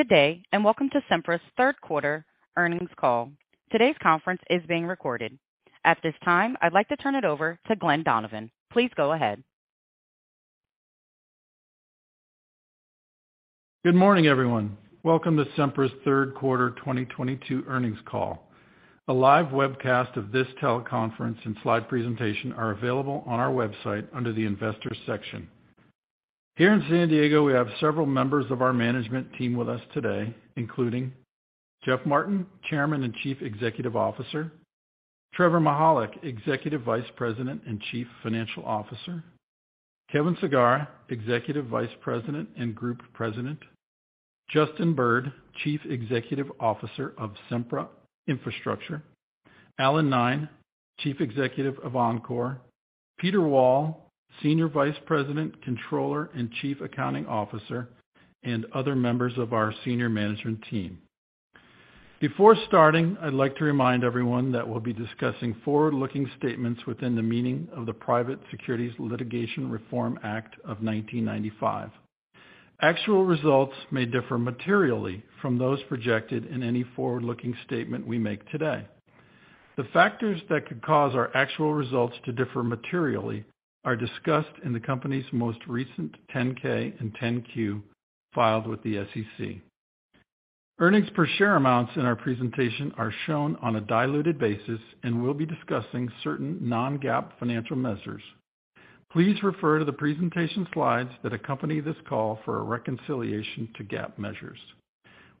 Good day, and welcome to Sempra's Third Quarter Earnings Call. Today's conference is being recorded. At this time, I'd like to turn it over to Glen Donovan. Please go ahead. Good morning, everyone. Welcome to Sempra's Third Quarter 2022 Earnings Call. A live webcast of this teleconference and slide presentation are available on our website under the Investors section. Here in San Diego, we have several members of our management team with us today, including Jeff Martin, Chairman and Chief Executive Officer. Trevor Mihalik, Executive Vice President and Chief Financial Officer. Kevin Sagara, Executive Vice President and Group President. Justin Bird, Chief Executive Officer of Sempra Infrastructure. Allen Nye, Chief Executive of Oncor. Peter Wall, Senior Vice President, Controller, and Chief Accounting Officer, and other members of our senior management team. Before starting, I'd like to remind everyone that we'll be discussing forward-looking statements within the meaning of the Private Securities Litigation Reform Act of 1995. Actual results may differ materially from those projected in any forward-looking statement we make today. The factors that could cause our actual results to differ materially are discussed in the company's most recent 10-K and 10-Q filed with the SEC. Earnings per share amounts in our presentation are shown on a diluted basis, and we'll be discussing certain non-GAAP financial measures. Please refer to the presentation slides that accompany this call for a reconciliation to GAAP measures.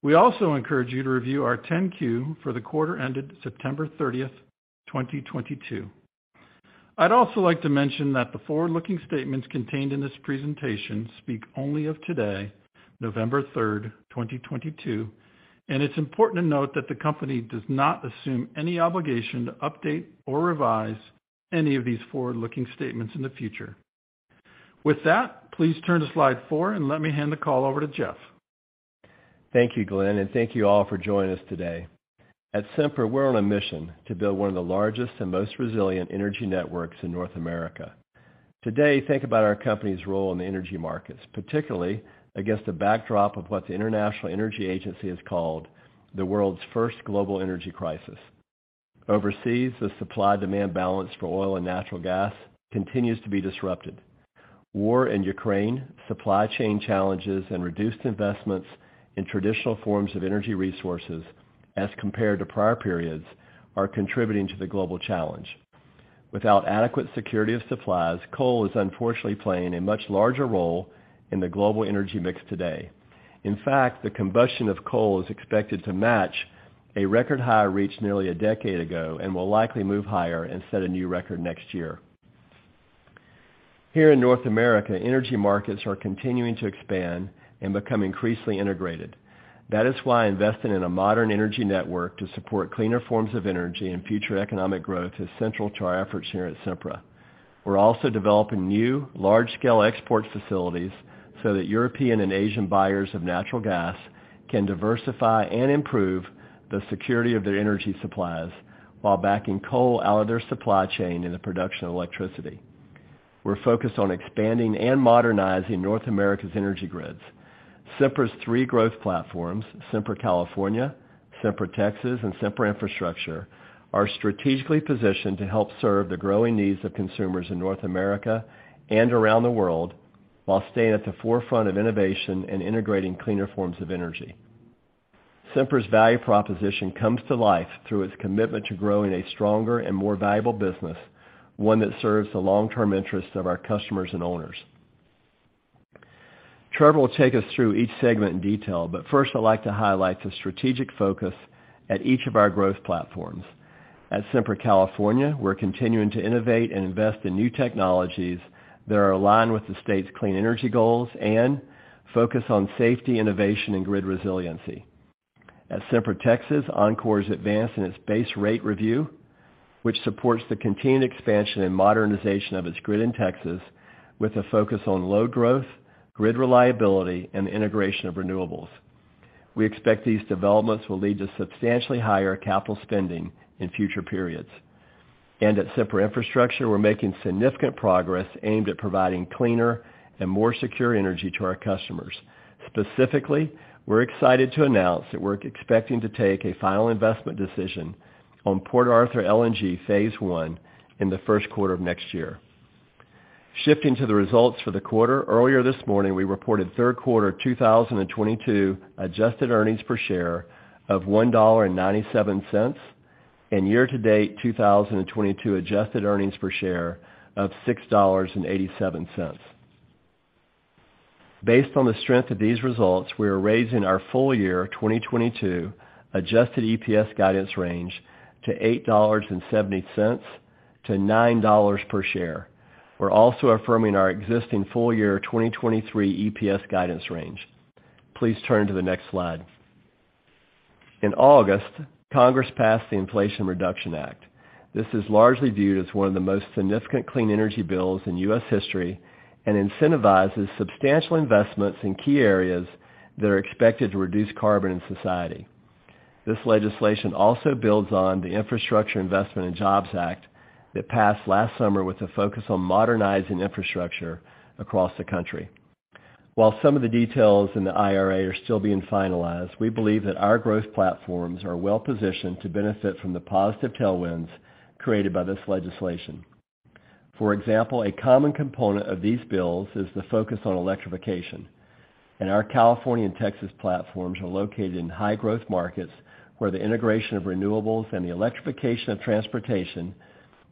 We also encourage you to review our 10-Q for the quarter ended September 30th, 2022. I'd also like to mention that the forward-looking statements contained in this presentation speak only of today, November 3rd, 2022, and it's important to note that the company does not assume any obligation to update or revise any of these forward-looking statements in the future. With that, please turn to slide four and let me hand the call over to Jeff. Thank you, Glen, and thank you all for joining us today. At Sempra, we're on a mission to build one of the largest and most resilient energy networks in North America. Today, think about our company's role in the energy markets, particularly against the backdrop of what the International Energy Agency has called the world's first global energy crisis. Overseas, the supply-demand balance for oil and natural gas continues to be disrupted. War in Ukraine, supply chain challenges, and reduced investments in traditional forms of energy resources as compared to prior periods are contributing to the global challenge. Without adequate security of supplies, coal is unfortunately playing a much larger role in the global energy mix today. In fact, the combustion of coal is expected to match a record high reached nearly a decade ago and will likely move higher and set a new record next year. Here in North America, energy markets are continuing to expand and become increasingly integrated. That is why investing in a modern energy network to support cleaner forms of energy and future economic growth is central to our efforts here at Sempra. We're also developing new large-scale export facilities so that European and Asian buyers of natural gas can diversify and improve the security of their energy supplies while backing coal out of their supply chain in the production of electricity. We're focused on expanding and modernizing North America's energy grids. Sempra's three growth platforms, Sempra California, Sempra Texas, and Sempra Infrastructure, are strategically positioned to help serve the growing needs of consumers in North America and around the world while staying at the forefront of innovation and integrating cleaner forms of energy. Sempra's value proposition comes to life through its commitment to growing a stronger and more valuable business, one that serves the long-term interests of our customers and owners. Trevor will take us through each segment in detail, but first I'd like to highlight the strategic focus at each of our growth platforms. At Sempra California, we're continuing to innovate and invest in new technologies that are aligned with the state's clean energy goals and focus on safety, innovation, and grid resiliency. At Sempra Texas, Oncor's advance in its base rate review, which supports the continued expansion and modernization of its grid in Texas with a focus on load growth, grid reliability, and the integration of renewables. We expect these developments will lead to substantially higher capital spending in future periods. At Sempra Infrastructure, we're making significant progress aimed at providing cleaner and more secure energy to our customers. Specifically, we're excited to announce that we're expecting to take a final investment decision on Port Arthur LNG phase I in the first quarter of next year. Shifting to the results for the quarter, earlier this morning, we reported third quarter 2022 adjusted earnings per share of $1.97 and year-to-date 2022 adjusted earnings per share of $6.87. Based on the strength of these results, we are raising our full year 2022 adjusted EPS guidance range to $8.70-$9 per share. We're also affirming our existing full year 2023 EPS guidance range. Please turn to the next slide. In August, Congress passed the Inflation Reduction Act. This is largely viewed as one of the most significant clean energy bills in U.S. history and incentivizes substantial investments in key areas that are expected to reduce carbon in society. This legislation also builds on the Infrastructure Investment and Jobs Act that passed last summer with a focus on modernizing infrastructure across the country. While some of the details in the IRA are still being finalized, we believe that our growth platforms are well-positioned to benefit from the positive tailwinds created by this legislation. For example, a common component of these bills is the focus on electrification, and our California and Texas platforms are located in high-growth markets where the integration of renewables and the electrification of transportation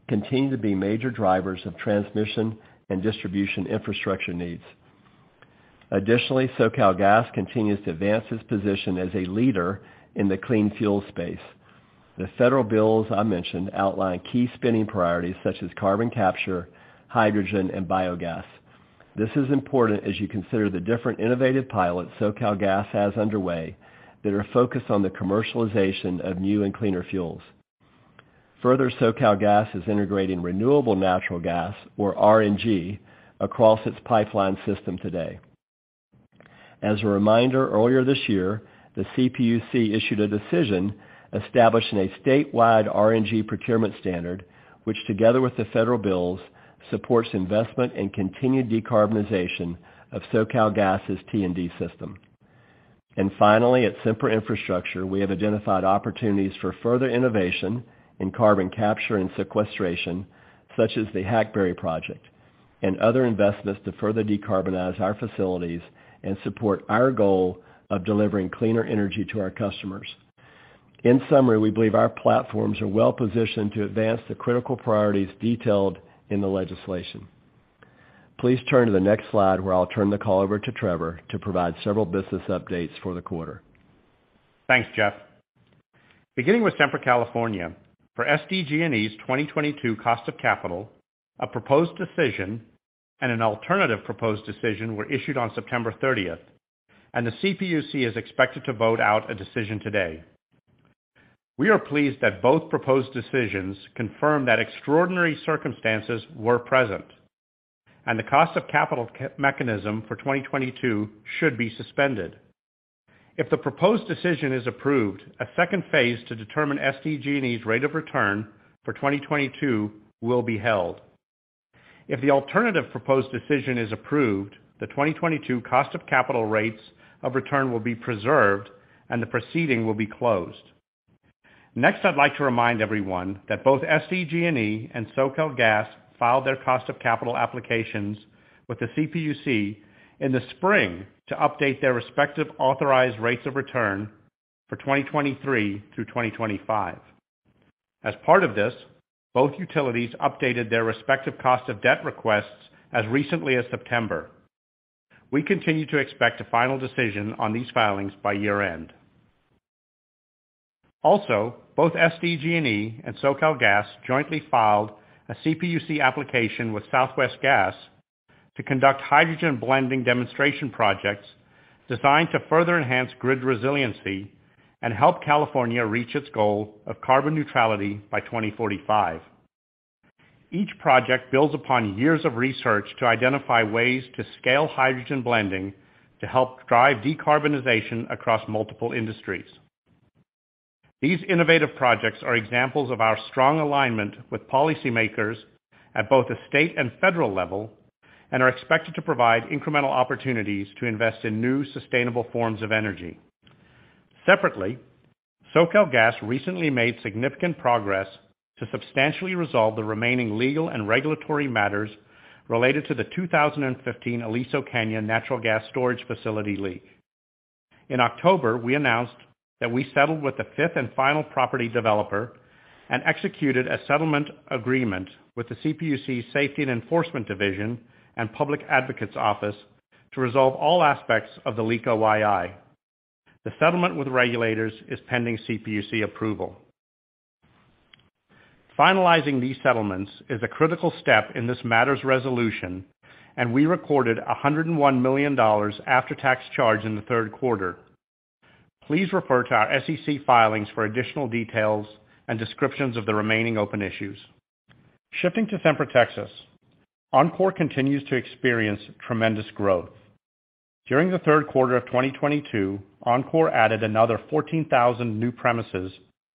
continue to be major drivers of transmission and distribution infrastructure needs. Additionally, SoCalGas continues to advance its position as a leader in the clean fuel space. The federal bills I mentioned outline key spending priorities such as carbon capture, hydrogen, and biogas. This is important as you consider the different innovative pilots SoCalGas has underway that are focused on the commercialization of new and cleaner fuels. Further, SoCalGas is integrating renewable natural gas, or RNG, across its pipeline system today. As a reminder, earlier this year, the CPUC issued a decision establishing a statewide RNG procurement standard, which together with the federal bills, supports investment and continued decarbonization of SoCalGas' T&D system. Finally, at Sempra Infrastructure, we have identified opportunities for further innovation in carbon capture and sequestration, such as the Hackberry project and other investments to further decarbonize our facilities and support our goal of delivering cleaner energy to our customers. In summary, we believe our platforms are well-positioned to advance the critical priorities detailed in the legislation. Please turn to the next slide, where I'll turn the call over to Trevor to provide several business updates for the quarter. Thanks, Jeff. Beginning with Sempra California, for SDG&E's 2022 cost of capital, a proposed decision and an alternative proposed decision were issued on September 30th, and the CPUC is expected to vote out a decision today. We are pleased that both proposed decisions confirmed that extraordinary circumstances were present and the cost of capital mechanism for 2022 should be suspended. If the proposed decision is approved, a phase II to determine SDG&E's rate of return for 2022 will be held. If the alternative proposed decision is approved, the 2022 cost of capital rates of return will be preserved, and the proceeding will be closed. Next, I'd like to remind everyone that both SDG&E and SoCalGas filed their cost of capital applications with the CPUC in the spring to update their respective authorized rates of return for 2023 through 2025. As part of this, both utilities updated their respective cost of debt requests as recently as September. We continue to expect a final decision on these filings by year-end. Also, both SDG&E and SoCalGas jointly filed a CPUC application with Southwest Gas to conduct hydrogen blending demonstration projects designed to further enhance grid resiliency and help California reach its goal of carbon neutrality by 2045. Each project builds upon years of research to identify ways to scale hydrogen blending to help drive decarbonization across multiple industries. These innovative projects are examples of our strong alignment with policymakers at both the state and federal level and are expected to provide incremental opportunities to invest in new sustainable forms of energy. Separately, SoCalGas recently made significant progress to substantially resolve the remaining legal and regulatory matters related to the 2015 Aliso Canyon natural gas storage facility leak. In October, we announced that we settled with the fifth and final property developer and executed a settlement agreement with the CPUC's Safety and Enforcement Division and Public Advocates Office to resolve all aspects of the leak OII. The settlement with regulators is pending CPUC approval. Finalizing these settlements is a critical step in this matter's resolution, and we recorded $101 million after-tax charge in the third quarter. Please refer to our SEC filings for additional details and descriptions of the remaining open issues. Shifting to Sempra Texas, Oncor continues to experience tremendous growth. During the third quarter of 2022, Oncor added another 14,000 new premises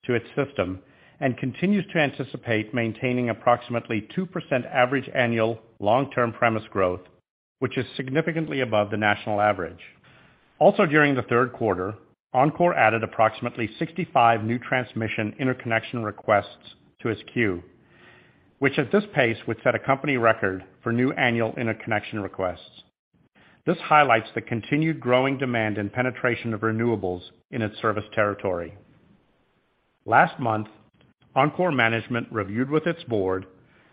to its system and continues to anticipate maintaining approximately 2% average annual long-term premise growth, which is significantly above the national average. Also during the third quarter, Oncor added approximately 65 new transmission interconnection requests to its queue, which at this pace would set a company record for new annual interconnection requests. This highlights the continued growing demand and penetration of renewables in its service territory. Last month, Oncor management reviewed with its board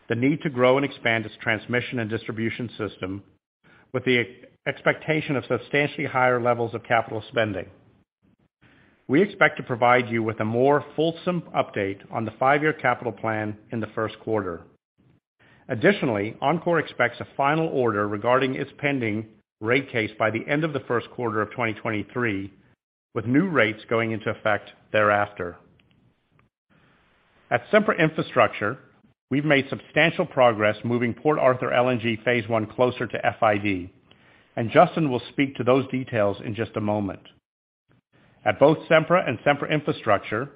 the need to grow and expand its transmission and distribution system with the expectation of substantially higher levels of capital spending. We expect to provide you with a more fulsome update on the five-year capital plan in the first quarter. Additionally, Oncor expects a final order regarding its pending rate case by the end of the first quarter of 2023, with new rates going into effect thereafter. At Sempra Infrastructure, we've made substantial progress moving Port Arthur LNG phase I closer to FID. Justin will speak to those details in just a moment. At both Sempra and Sempra Infrastructure,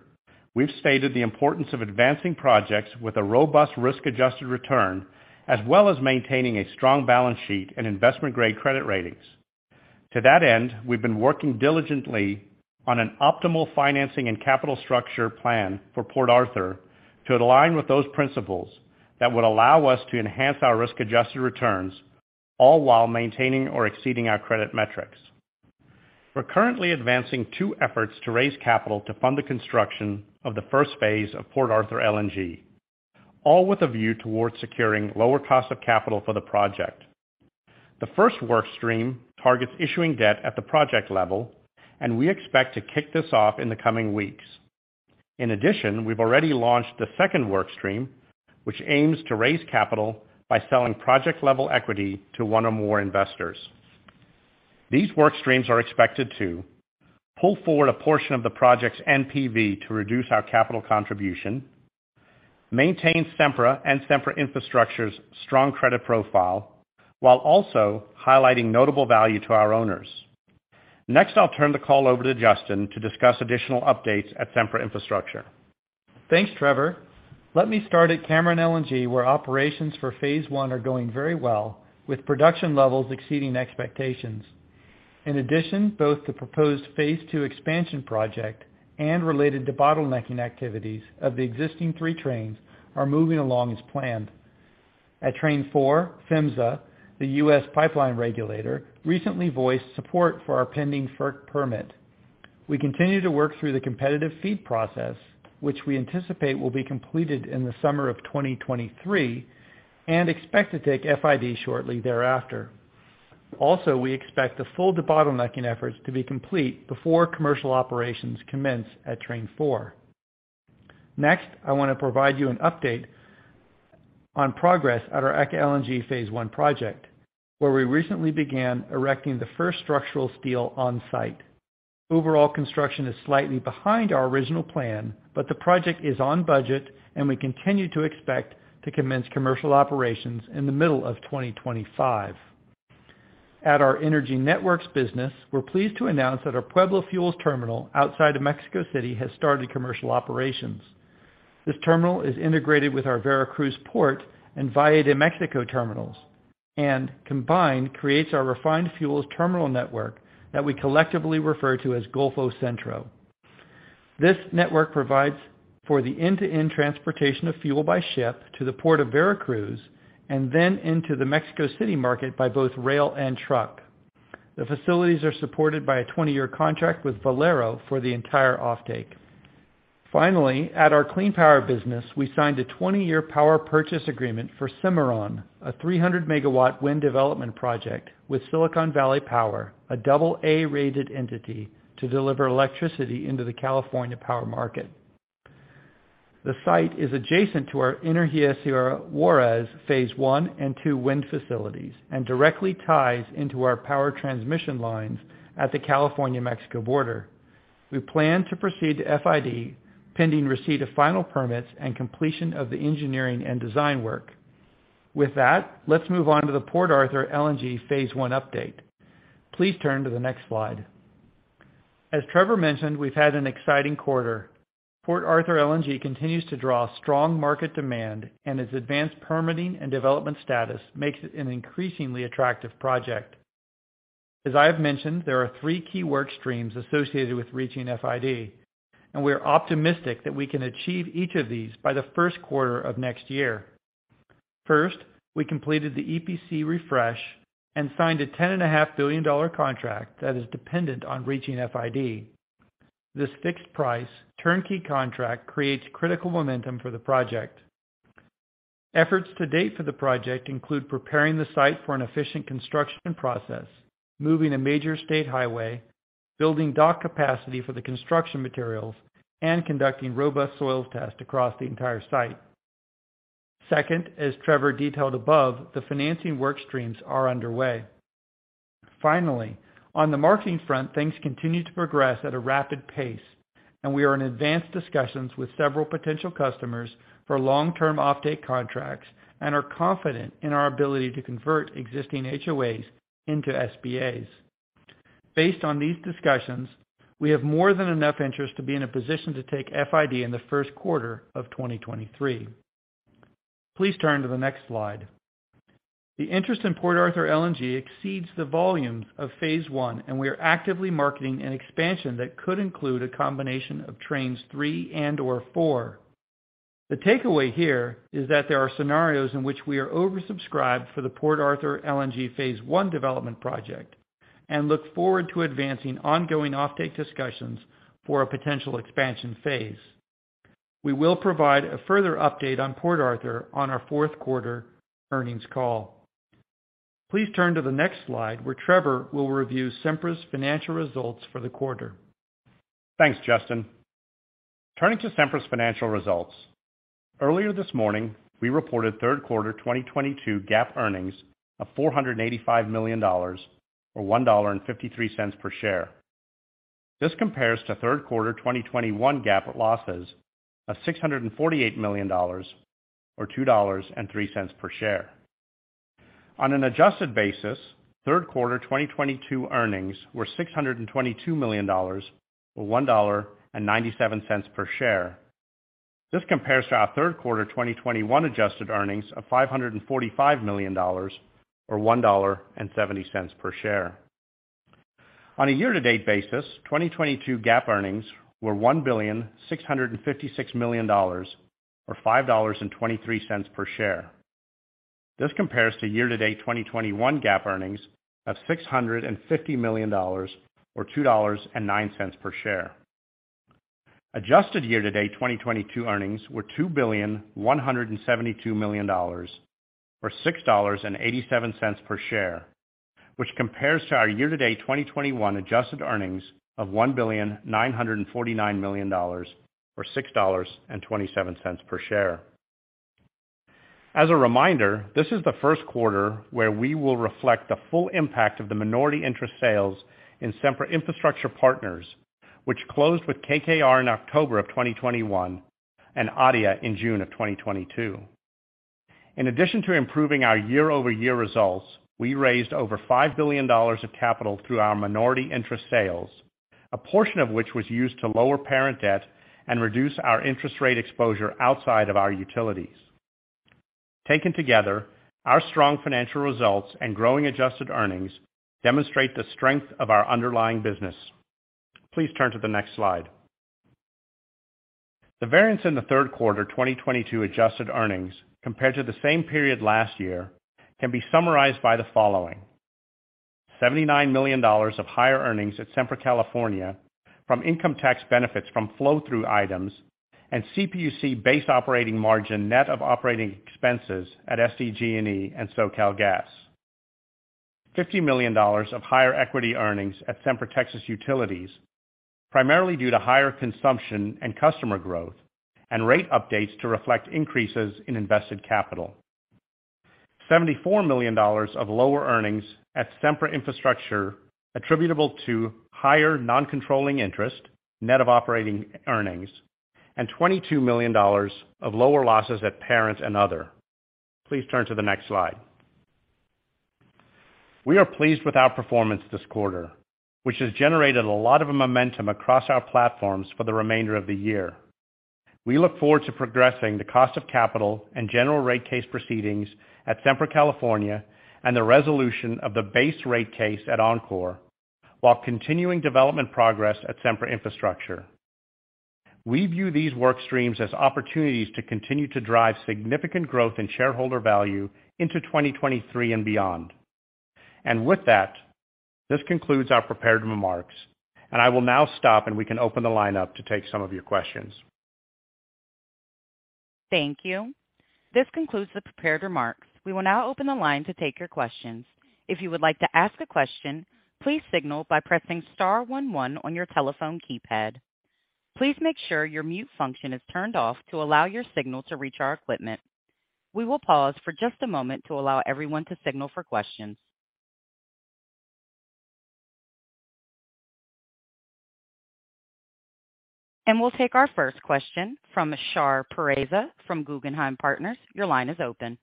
we've stated the importance of advancing projects with a robust risk-adjusted return, as well as maintaining a strong balance sheet and investment-grade credit ratings. To that end, we've been working diligently on an optimal financing and capital structure plan for Port Arthur LNG to align with those principles that would allow us to enhance our risk-adjusted returns, all while maintaining or exceeding our credit metrics. We're currently advancing two efforts to raise capital to fund the construction of the phase I of Port Arthur LNG, all with a view towards securing lower cost of capital for the project. The first workstream targets issuing debt at the project level, and we expect to kick this off in the coming weeks. In addition, we've already launched the second workstream, which aims to raise capital by selling project-level equity to one or more investors. These workstreams are expected to pull forward a portion of the project's NPV to reduce our capital contribution, maintain Sempra and Sempra Infrastructure's strong credit profile, while also highlighting notable value to our owners. Next, I'll turn the call over to Justin to discuss additional updates at Sempra Infrastructure. Thanks, Trevor. Let me start at Cameron LNG, where operations for phase I are going very well, with production levels exceeding expectations. In addition, both the proposed phase II expansion project and related debottlenecking activities of the existing three trains are moving along as planned. At train four, PHMSA, the U.S. pipeline regulator, recently voiced support for our pending FERC permit. We continue to work through the competitive FEED process, which we anticipate will be completed in the summer of 2023 and expect to take FID shortly thereafter. Also, we expect the full debottlenecking efforts to be complete before commercial operations commence at train four. Next, I wanna provide you an update on progress at our ECA LNG phase I project, where we recently began erecting the first structural steel on site. Overall construction is slightly behind our original plan, but the project is on budget, and we continue to expect to commence commercial operations in the middle of 2025. At our energy networks business, we're pleased to announce that our Puebla fuels terminal outside of Mexico City has started commercial operations. This terminal is integrated with our Veracruz Port and Valle de Mexico terminals and combined creates our refined fuels terminal network that we collectively refer to as Golfo Centro. This network provides for the end-to-end transportation of fuel by ship to the Port of Veracruz and then into the Mexico City market by both rail and truck. The facilities are supported by a 20-year contract with Valero for the entire offtake. Finally, at our clean power business, we signed a 20-year power purchase agreement for Cimarron, a 300-MW wind development project, with Silicon Valley Power, a AA-rated entity, to deliver electricity into the California power market. The site is adjacent to our Energía Sierra Juárez phase I and II wind facilities and directly ties into our power transmission lines at the California-Mexico border. We plan to proceed to FID, pending receipt of final permits and completion of the engineering and design work. With that, let's move on to the Port Arthur LNG phase I update. Please turn to the next slide. As Trevor mentioned, we've had an exciting quarter. Port Arthur LNG continues to draw strong market demand, and its advanced permitting and development status makes it an increasingly attractive project. As I have mentioned, there are three key workstreams associated with reaching FID, and we are optimistic that we can achieve each of these by the first quarter of next year. First, we completed the EPC refresh and signed a $10.5 billion contract that is dependent on reaching FID. This fixed price, turnkey contract creates critical momentum for the project. Efforts to date for the project include preparing the site for an efficient construction process, moving a major state highway, building dock capacity for the construction materials, and conducting robust soil tests across the entire site. Second, as Trevor detailed above, the financing workstreams are underway. Finally, on the marketing front, things continue to progress at a rapid pace, and we are in advanced discussions with several potential customers for long-term offtake contracts and are confident in our ability to convert existing HOAs into SPAs. Based on these discussions, we have more than enough interest to be in a position to take FID in the first quarter of 2023. Please turn to the next slide. The interest in Port Arthur LNG exceeds the volume of phase I, and we are actively marketing an expansion that could include a combination of trains three and/or four. The takeaway here is that there are scenarios in which we are oversubscribed for the Port Arthur LNG phase I development project and look forward to advancing ongoing offtake discussions for a potential expansion phase. We will provide a further update on Port Arthur on our fourth quarter earnings call. Please turn to the next slide, where Trevor will review Sempra's financial results for the quarter. Thanks, Justin. Turning to Sempra's financial results. Earlier this morning, we reported third quarter 2022 GAAP earnings of $485 million, or $1.53 per share. This compares to third quarter 2021 GAAP losses of $648 million or $2.03 per share. On an adjusted basis, third quarter 2022 earnings were $622 million or $1.97 per share. This compares to our third quarter 2021 adjusted earnings of $545 million or $1.70 per share. On a year-to-date basis, 2022 GAAP earnings were $1.656 billion or $5.23 per share. This compares to year-to-date 2021 GAAP earnings of $650 million or $2.09 per share. Adjusted year-to-date 2022 earnings were $2.172 billion or $6.87 per share. Which compares to our year-to-date 2021 adjusted earnings of $1.949 billion or $6.27 per share. As a reminder, this is the first quarter where we will reflect the full impact of the minority interest sales in Sempra Infrastructure Partners, which closed with KKR in October 2021 and ADIA in June 2022. In addition to improving our year-over-year results, we raised over $5 billion of capital through our minority interest sales, a portion of which was used to lower parent debt and reduce our interest rate exposure outside of our utilities. Taken together, our strong financial results and growing adjusted earnings demonstrate the strength of our underlying business. Please turn to the next slide. The variance in the third quarter 2022 adjusted earnings compared to the same period last year can be summarized by the following: $79 million of higher earnings at Sempra California from income tax benefits from flow-through items and CPUC base operating margin net of operating expenses at SDG&E and SoCalGas. $50 million of higher equity earnings at Sempra Texas Utilities, primarily due to higher consumption and customer growth and rate updates to reflect increases in invested capital. $74 million of lower earnings at Sempra Infrastructure attributable to higher non-controlling interest, net of operating earnings, and $22 million of lower losses at parent and other. Please turn to the next slide. We are pleased with our performance this quarter, which has generated a lot of momentum across our platforms for the remainder of the year. We look forward to progressing the cost of capital and general rate case proceedings at Sempra California and the resolution of the base rate case at Oncor, while continuing development progress at Sempra Infrastructure. We view these work streams as opportunities to continue to drive significant growth in shareholder value into 2023 and beyond. With that, this concludes our prepared remarks, and I will now stop and we can open the line up to take some of your questions. Thank you. This concludes the prepared remarks. We will now open the line to take your questions. If you would like to ask a question, please signal by pressing star one one on your telephone keypad. Please make sure your mute function is turned off to allow your signal to reach our equipment. We will pause for just a moment to allow everyone to signal for questions. We'll take our first question from Shar Pourreza from Guggenheim Partners. Your line is open.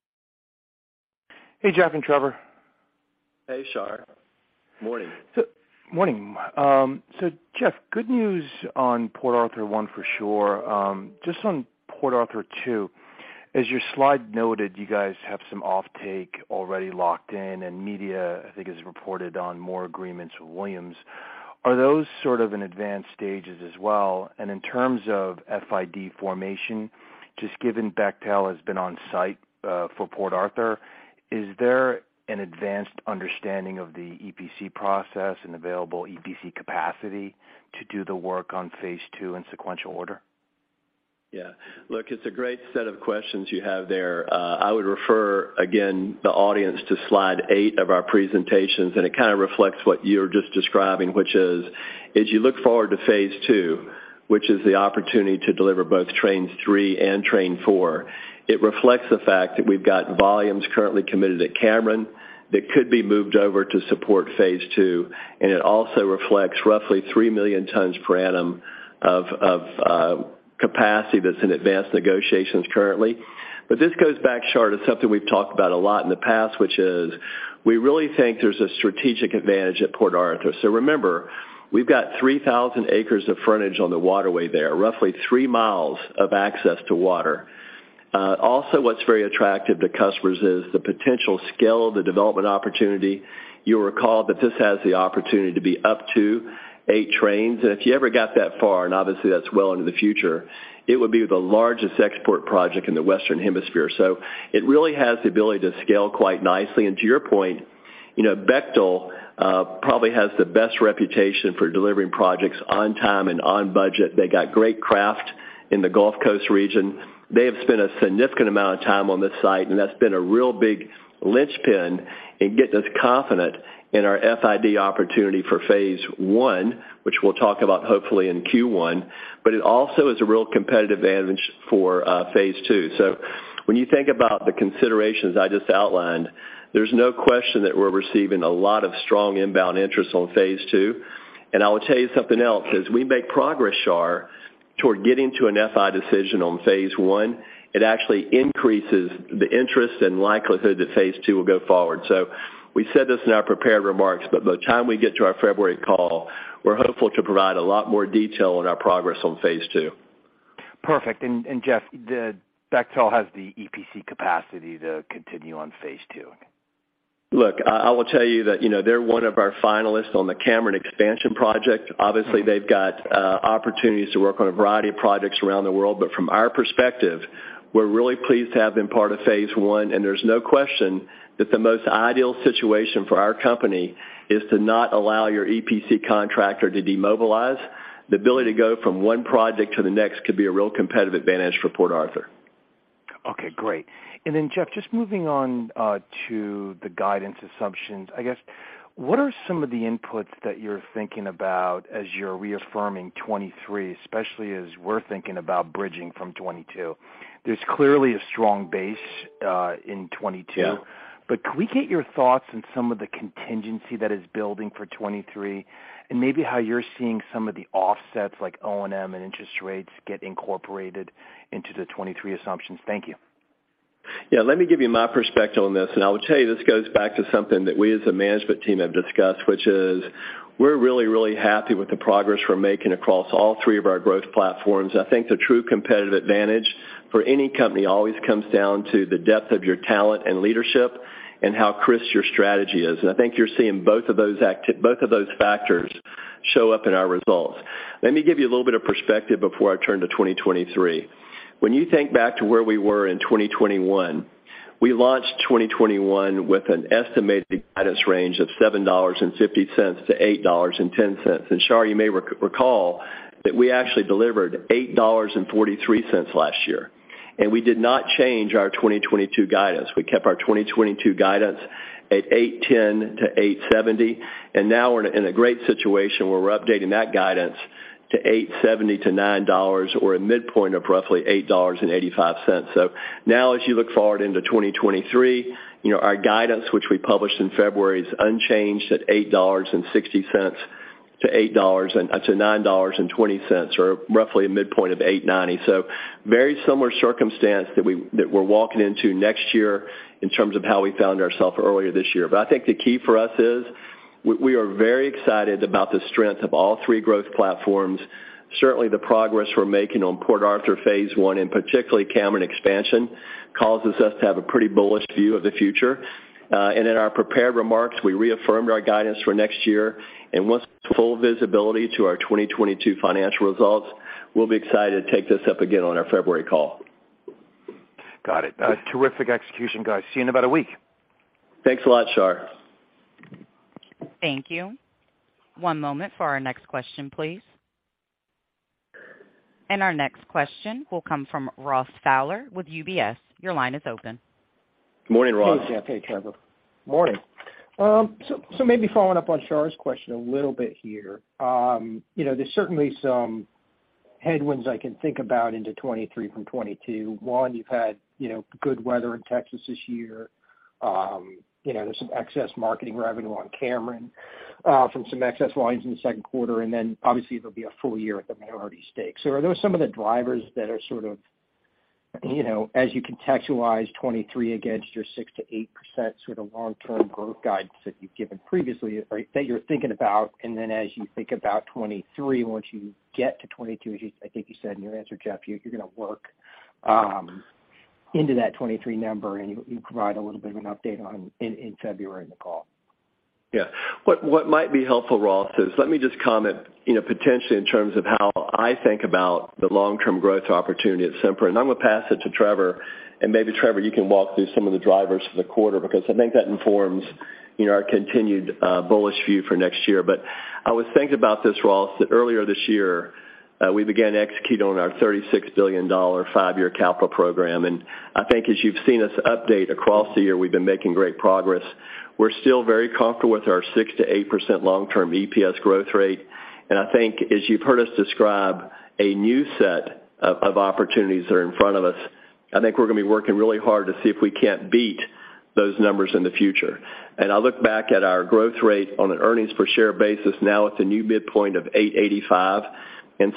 Hey, Jeff and Trevor. Hey, Shar. Morning. Morning. Jeff, good news on Port Arthur 1 for sure. Just on Port Arthur 2, as your slide noted, you guys have some offtake already locked in and media, I think, has reported on more agreements with Williams. Are those sort of in advanced stages as well? In terms of FID formation, just given Bechtel has been on site for Port Arthur, is there an advanced understanding of the EPC process and available EPC capacity to do the work on phase II in sequential order? Yeah. Look, it's a great set of questions you have there. I would refer again the audience to slide eight of our presentations, and it kind of reflects what you're just describing, which is, as you look forward to phase II, which is the opportunity to deliver both trains three and train four, it reflects the fact that we've got volumes currently committed at Cameron that could be moved over to support phase II, and it also reflects roughly 3 million tons per annum of capacity that's in advanced negotiations currently. This goes back, Shar, to something we've talked about a lot in the past, which is we really think there's a strategic advantage at Port Arthur. Remember, we've got 3,000 acres of frontage on the waterway there, roughly 3 mi of access to water. Also what's very attractive to customers is the potential scale of the development opportunity. You'll recall that this has the opportunity to be up to eight trains. If you ever got that far, and obviously that's well into the future, it would be the largest export project in the Western Hemisphere. It really has the ability to scale quite nicely. To your point, you know, Bechtel probably has the best reputation for delivering projects on time and on budget. They got great craft in the Gulf Coast region. They have spent a significant amount of time on this site, and that's been a real big linchpin in getting us confident in our FID opportunity for phase I, which we'll talk about hopefully in Q1. It also is a real competitive advantage for phase II. When you think about the considerations I just outlined, there's no question that we're receiving a lot of strong inbound interest on phase II. I will tell you something else. As we make progress, Shar, toward getting to a FID decision on phase I, it actually increases the interest and likelihood that phase II will go forward. We said this in our prepared remarks, but by the time we get to our February call, we're hopeful to provide a lot more detail on our progress on phase II. Perfect. Jeff, Bechtel has the EPC capacity to continue on phase II? Look, I will tell you that, you know, they're one of our finalists on the Cameron expansion project. Obviously, they've got opportunities to work on a variety of projects around the world. From our perspective, we're really pleased to have them part of phase I, and there's no question that the most ideal situation for our company is to not allow your EPC contractor to demobilize. The ability to go from one project to the next could be a real competitive advantage for Port Arthur. Okay, great. Jeff, just moving on, to the guidance assumptions, I guess, what are some of the inputs that you're thinking about as you're reaffirming 2023, especially as we're thinking about bridging from 2022? There's clearly a strong base, in 2022. Yeah. Could we get your thoughts on some of the contingency that is building for 2023 and maybe how you're seeing some of the offsets like O&M and interest rates get incorporated into the 2023 assumptions? Thank you. Yeah, let me give you my perspective on this, and I will tell you, this goes back to something that we as a management team have discussed, which is we're really, really happy with the progress we're making across all three of our growth platforms. I think the true competitive advantage for any company always comes down to the depth of your talent and leadership and how crisp your strategy is. I think you're seeing both of those factors show up in our results. Let me give you a little bit of perspective before I turn to 2023. When you think back to where we were in 2021, we launched 2021 with an estimated guidance range of $7.50-$8.10. Shar, you may recall that we actually delivered $8.43 last year, and we did not change our 2022 guidance. We kept our 2022 guidance at $8.10-$8.70, and now we're in a great situation where we're updating that guidance to $8.70-$9 or a midpoint of roughly $8.85. Now as you look forward into 2023, you know, our guidance, which we published in February, is unchanged at $8.60-$9.20 or roughly a midpoint of $8.90. Very similar circumstance that we're walking into next year in terms of how we found ourselves earlier this year. I think the key for us is we are very excited about the strength of all three growth platforms. Certainly, the progress we're making on Port Arthur phase I, and particularly Cameron expansion, causes us to have a pretty bullish view of the future. In our prepared remarks, we reaffirmed our guidance for next year. Once full visibility to our 2022 financial results, we'll be excited to take this up again on our February call. Got it. Yes. Terrific execution, guys. See you in about a week. Thanks a lot, Shar. Thank you. One moment for our next question, please. Our next question will come from Ross Fowler with Bank of America. Your line is open. Morning, Ross. Hey, Jeff. Hey, Trevor. Morning. Maybe following up on Shar's question a little bit here. You know, there's certainly some headwinds I can think about into 2023 from 2022. One, you've had, you know, good weather in Texas this year. You know, there's some excess marketing revenue on Cameron from some excess volumes in the second quarter. Then obviously, there'll be a full year at the minority stake. Are those some of the drivers that are sort of, you know, as you contextualize 2023 against your 6%-8% sort of long-term growth guidance that you've given previously or that you're thinking about? As you think about 2023, once you get to 2022, I think you said in your answer, Jeff, you're gonna work into that 2023 number and you provide a little bit of an update on in February in the call. Yeah. What might be helpful, Ross, is let me just comment, you know, potentially in terms of how I think about the long-term growth opportunity at Sempra. I'm gonna pass it to Trevor, and maybe Trevor, you can walk through some of the drivers for the quarter because I think that informs, you know, our continued bullish view for next year. I was thinking about this, Ross, that earlier this year we began executing on our $36 billion five-year capital program. I think as you've seen us update across the year, we've been making great progress. We're still very comfortable with our 6%-8% long-term EPS growth rate. I think as you've heard us describe a new set of opportunities that are in front of us, I think we're gonna be working really hard to see if we can't beat those numbers in the future. I look back at our growth rate on an earnings per share basis, now it's a new midpoint of 8.85.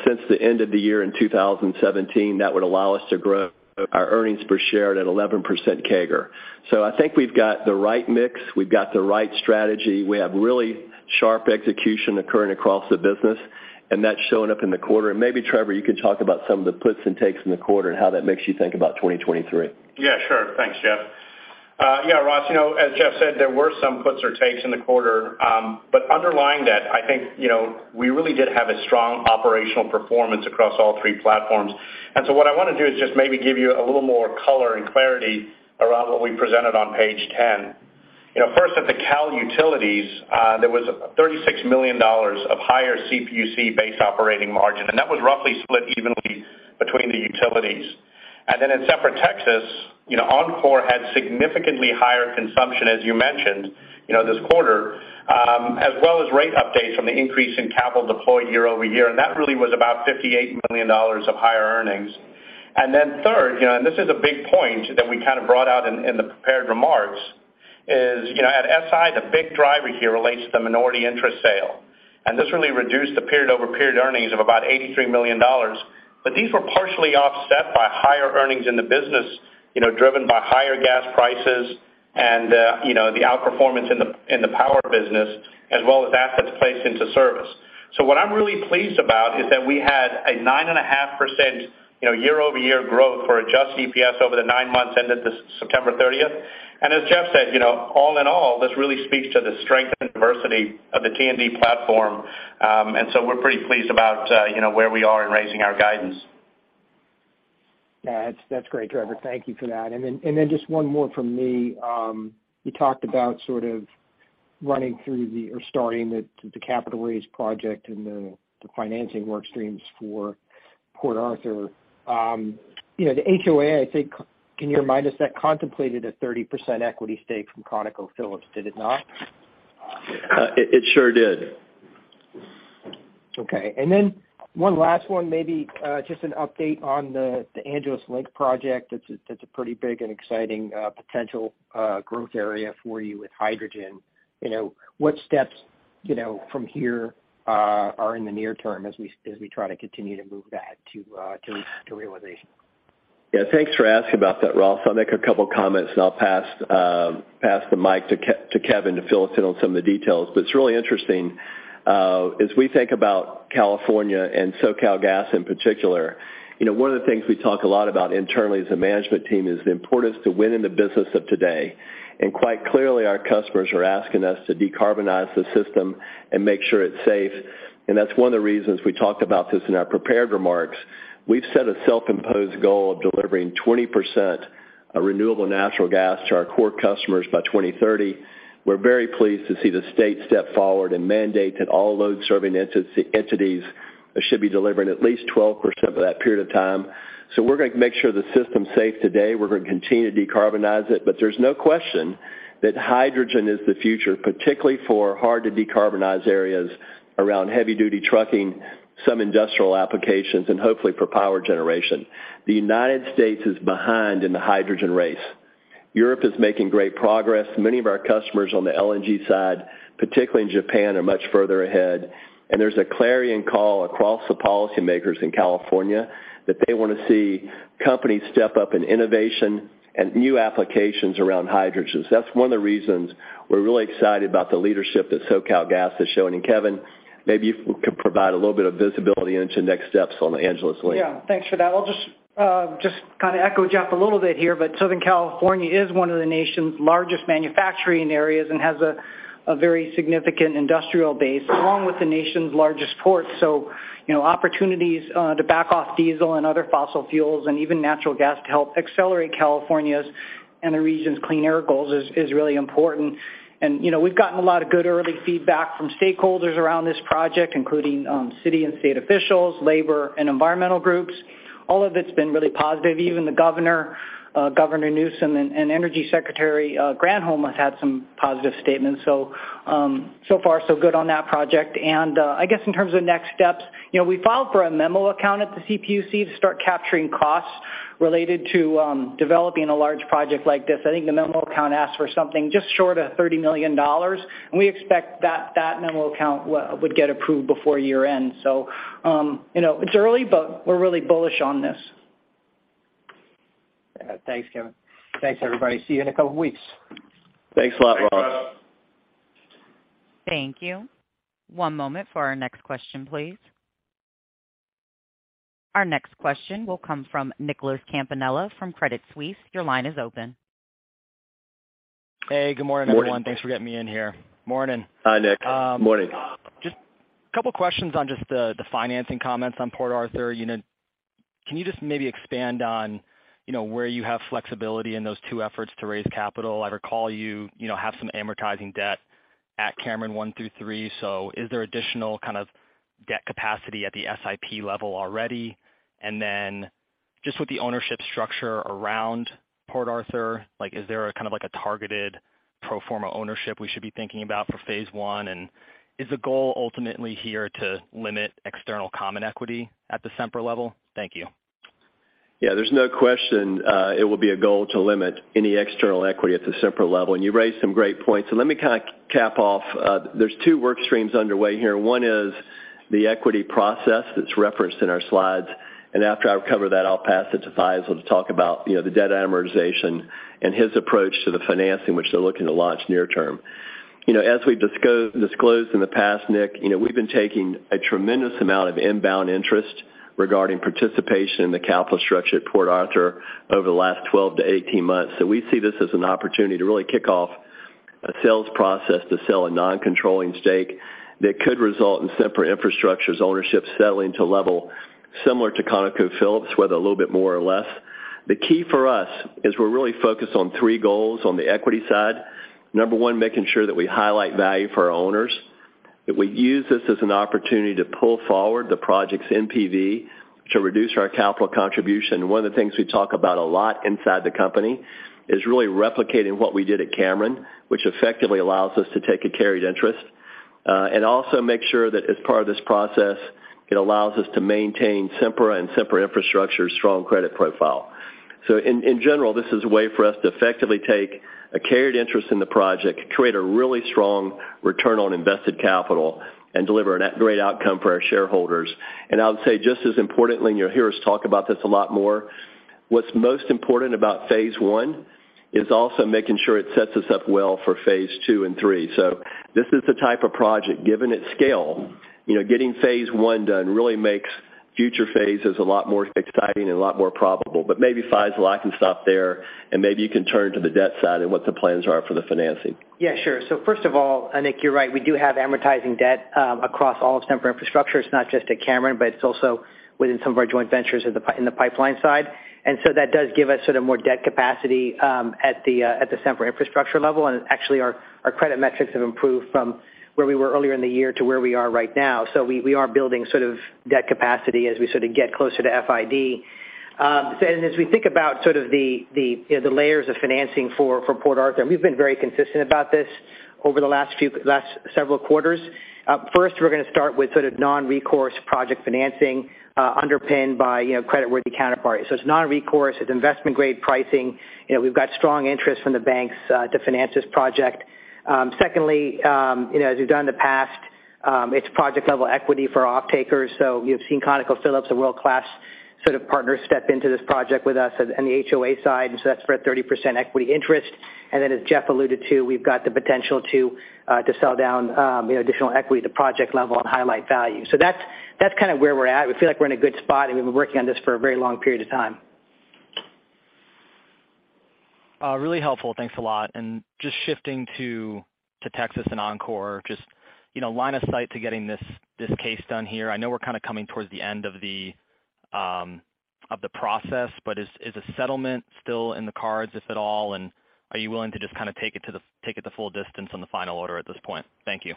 Since the end of the year in 2017, that would allow us to grow our earnings per share at 11% CAGR. I think we've got the right mix, we've got the right strategy. We have really sharp execution occurring across the business, and that's showing up in the quarter. Maybe Trevor, you can talk about some of the puts and takes in the quarter and how that makes you think about 2023. Yeah, sure. Thanks, Jeff. Yeah, Ross, you know, as Jeff said, there were some puts or takes in the quarter. But underlying that, I think, you know, we really did have a strong operational performance across all three platforms. What I wanna do is just maybe give you a little more color and clarity around what we presented on page 10. You know, first, at the Cal Utilities, there was $36 million of higher CPUC-based operating margin, and that was roughly split evenly between the utilities. Then in Sempra Texas, you know, Oncor had significantly higher consumption, as you mentioned, you know, this quarter, as well as rate updates from the increase in capital deployed year-over-year, and that really was about $58 million of higher earnings. Third, you know, and this is a big point that we kind of brought out in the prepared remarks. It's, you know, at SI, the big driver here relates to the minority interest sale, and this really reduced the period-over-period earnings of about $83 million. These were partially offset by higher earnings in the business, you know, driven by higher gas prices and, you know, the outperformance in the power business as well as assets placed into service. What I'm really pleased about is that we had a 9.5%, you know, year-over-year growth for adjusted EPS over the nine months ended this September 30th. As Jeff said, you know, all in all, this really speaks to the strength and diversity of the T&D platform. We're pretty pleased about, you know, where we are in raising our guidance. Yeah, that's great, Trevor. Thank you for that. Just one more from me. You talked about starting the capital raise project and the financing work streams for Port Arthur. You know, the HOA, I think, can you remind us that contemplated a 30% equity stake from ConocoPhillips, did it not? It sure did. Okay. One last one, maybe, just an update on the Angeles Link project. That's a pretty big and exciting potential growth area for you with hydrogen. You know, what steps, you know, from here are in the near term as we try to continue to move that to realization? Yeah. Thanks for asking about that, Ross. I'll make a couple comments, and I'll pass the mic to Kevin to fill us in on some of the details. It's really interesting, as we think about California and SoCalGas in particular, you know, one of the things we talk a lot about internally as a management team is the importance to win in the business of today. Quite clearly, our customers are asking us to decarbonize the system and make sure it's safe. That's one of the reasons we talked about this in our prepared remarks. We've set a self-imposed goal of delivering 20% of renewable natural gas to our core customers by 2030. We're very pleased to see the state step forward and mandate that all load-serving entities should be delivering at least 12% for that period of time. We're gonna make sure the system's safe today. We're gonna continue to decarbonize it. There's no question that hydrogen is the future, particularly for hard-to-decarbonize areas around heavy-duty trucking, some industrial applications, and hopefully for power generation. The United States is behind in the hydrogen race. Europe is making great progress. Many of our customers on the LNG side, particularly in Japan, are much further ahead. There's a clarion call across the policymakers in California that they wanna see companies step up in innovation and new applications around hydrogen. That's one of the reasons we're really excited about the leadership that SoCalGas is showing. Kevin, maybe you could provide a little bit of visibility into next steps on the Angeles Link. Yeah. Thanks for that. I'll just kind of echo Jeff a little bit here, but Southern California is one of the nation's largest manufacturing areas and has a very significant industrial base, along with the nation's largest port. You know, opportunities to back off diesel and other fossil fuels and even natural gas to help accelerate California's and the region's clean air goals is really important. You know, we've gotten a lot of good early feedback from stakeholders around this project, including city and state officials, labor and environmental groups. All of it's been really positive. Even the governor Gavin Newsom and Energy Secretary Granholm has had some positive statements. So far, so good on that project. I guess in terms of next steps, you know, we filed for a memo account at the CPUC to start capturing costs related to developing a large project like this. I think the memo account asks for something just short of $30 million, and we expect that memo account would get approved before year-end. You know, it's early, but we're really bullish on this. Yeah. Thanks, Kevin. Thanks, everybody. See you in a couple weeks. Thanks a lot, Ross. Thanks, guys. Thank you. One moment for our next question, please. Our next question will come from Nicholas Campanella from Credit Suisse. Your line is open. Hey, good morning, everyone. Morning. Thanks for getting me in here. Morning. Hi, Nick. Morning. Just a couple questions on just the financing comments on Port Arthur. You know, can you just maybe expand on, you know, where you have flexibility in those two efforts to raise capital? I recall you know, have some amortizing debt at Cameron one through three. Is there additional kind of debt capacity at the SI level already? And then just with the ownership structure around Port Arthur, like, is there a kind of like a targeted pro forma ownership we should be thinking about for phase I? And is the goal ultimately here to limit external common equity at the Sempra level? Thank you. Yeah, there's no question, it will be a goal to limit any external equity at the Sempra level, and you raised some great points. Let me kind of cap off. There's two work streams underway here. One is the equity process that's referenced in our slides. After I cover that, I'll pass it to Faisel to talk about, you know, the debt amortization and his approach to the financing, which they're looking to launch near term. You know, as we've disclosed in the past, Nick, you know, we've been taking a tremendous amount of inbound interest regarding participation in the capital structure at Port Arthur over the last 12-18 months. We see this as an opportunity to really kick off a sales process to sell a non-controlling stake that could result in Sempra Infrastructure's ownership settling to a level similar to ConocoPhillips, whether a little bit more or less. The key for us is we're really focused on three goals on the equity side. Number one, making sure that we highlight value for our owners, that we use this as an opportunity to pull forward the project's NPV to reduce our capital contribution. One of the things we talk about a lot inside the company is really replicating what we did at Cameron, which effectively allows us to take a carried interest, and also make sure that as part of this process, it allows us to maintain Sempra and Sempra Infrastructure's strong credit profile. In general, this is a way for us to effectively take a carried interest in the project, create a really strong return on invested capital, and deliver a great outcome for our shareholders. I would say, just as importantly, and you'll hear us talk about this a lot more, what's most important about phase I is also making sure it sets us up well for phase II and III. This is the type of project, given its scale, you know, getting phase I done really makes future phases a lot more exciting and a lot more probable. Maybe, Faisel, I can stop there, and maybe you can turn to the debt side and what the plans are for the financing. Yeah, sure. First of all, Nick, you're right, we do have amortizing debt across all of Sempra Infrastructure. It's not just at Cameron, but it's also within some of our joint ventures in the pipeline side. That does give us sort of more debt capacity at the Sempra Infrastructure level. Actually, our credit metrics have improved from where we were earlier in the year to where we are right now. We are building sort of debt capacity as we sort of get closer to FID. As we think about sort of the you know the layers of financing for Port Arthur, and we've been very consistent about this over the last several quarters. First, we're gonna start with sort of non-recourse project financing, underpinned by, you know, creditworthy counterparties. It's non-recourse, it's investment-grade pricing. You know, we've got strong interest from the banks to finance this project. Secondly, you know, as we've done in the past, it's project-level equity for off-takers. You've seen ConocoPhillips, a world-class sort of partner, step into this project with us on the HOA side, and that's for a 30% equity interest. Then as Jeff alluded to, we've got the potential to sell down, you know, additional equity to project level and highlight value. That's kind of where we're at. We feel like we're in a good spot, and we've been working on this for a very long period of time. Really helpful. Thanks a lot. Just shifting to Texas and Oncor, you know, line of sight to getting this case done here. I know we're kind of coming towards the end of the process, but is a settlement still in the cards, if at all? Are you willing to just kind of take it the full distance on the final order at this point? Thank you.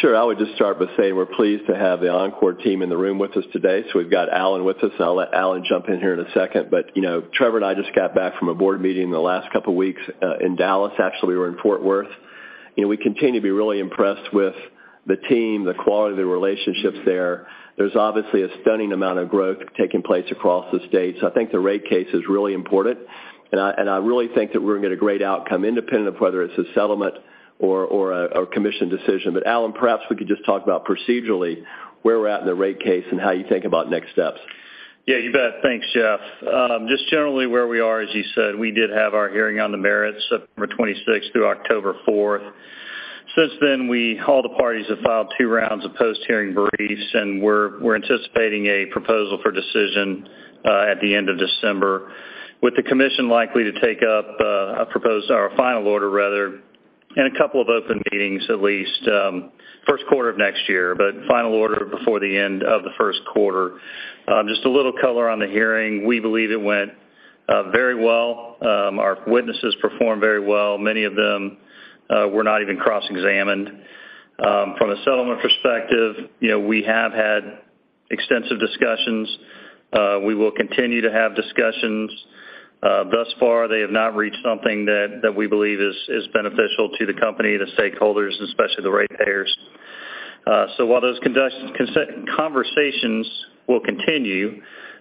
Sure. I would just start by saying we're pleased to have the Oncor team in the room with us today, so we've got Allen with us, and I'll let Allen jump in here in a second. You know, Trevor and I just got back from a board meeting in the last couple weeks in Dallas. Actually, we were in Fort Worth. You know, we continue to be really impressed with the team, the quality of the relationships there. There's obviously a stunning amount of growth taking place across the state, so I think the rate case is really important. I really think that we're gonna get a great outcome independent of whether it's a settlement or a commission decision. Allen, perhaps we could just talk about procedurally where we're at in the rate case and how you think about next steps. Yeah, you bet. Thanks, Jeff. Just generally where we are, as you said, we did have our hearing on the merits September 26th through October 4th. Since then, all the parties have filed two rounds of post-hearing briefs, and we're anticipating a proposal for decision at the end of December, with the commission likely to take up a proposed or a final order rather in a couple of open meetings, at least, first quarter of next year. Final order before the end of the first quarter. Just a little color on the hearing. We believe it went very well. Our witnesses performed very well. Many of them were not even cross-examined. From a settlement perspective, you know, we have had extensive discussions. We will continue to have discussions. Thus far they have not reached something that we believe is beneficial to the company, the stakeholders, and especially the ratepayers. While those conversations will continue,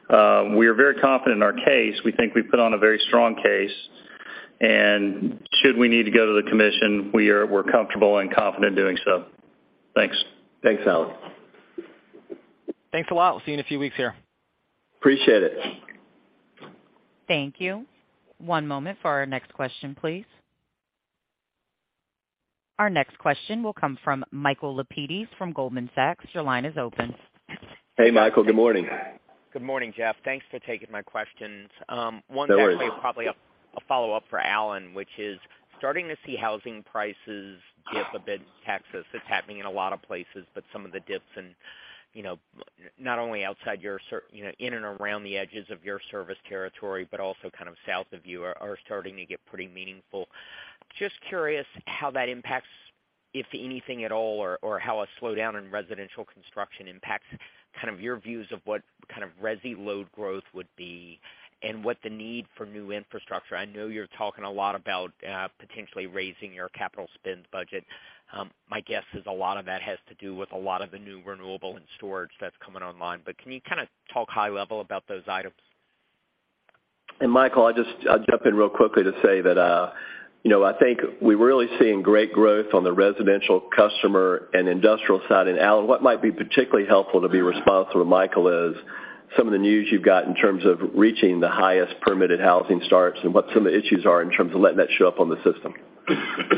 we are very confident in our case. We think we put on a very strong case, and should we need to go to the commission, we're comfortable and confident doing so. Thanks. Thanks, Allen. Thanks a lot. We'll see you in a few weeks here. Appreciate it. Thank you. One moment for our next question, please. Our next question will come from Michael Lapides from Goldman Sachs. Your line is open. Hey, Michael. Good morning. Good morning, Jeff. Thanks for taking my questions. One- No worries. Actually, probably a follow-up for Allen, which is starting to see housing prices dip a bit in Texas. It's happening in a lot of places, but some of the dips and, you know, not only outside your service, you know, in and around the edges of your service territory, but also kind of south of you are starting to get pretty meaningful. Just curious how that impacts, if anything at all, or how a slowdown in residential construction impacts kind of your views of what kind of resi load growth would be and what the need for new infrastructure. I know you're talking a lot about potentially raising your capital spend budget. My guess is a lot of that has to do with a lot of the new renewable and storage that's coming online. Can you kind of talk high level about those items? Michael, I'll jump in real quickly to say that, you know, I think we're really seeing great growth on the residential customer and industrial side. Allen, what might be particularly helpful to be responsive to Michael is some of the news you've got in terms of reaching the highest permitted housing starts and what some of the issues are in terms of letting that show up on the system.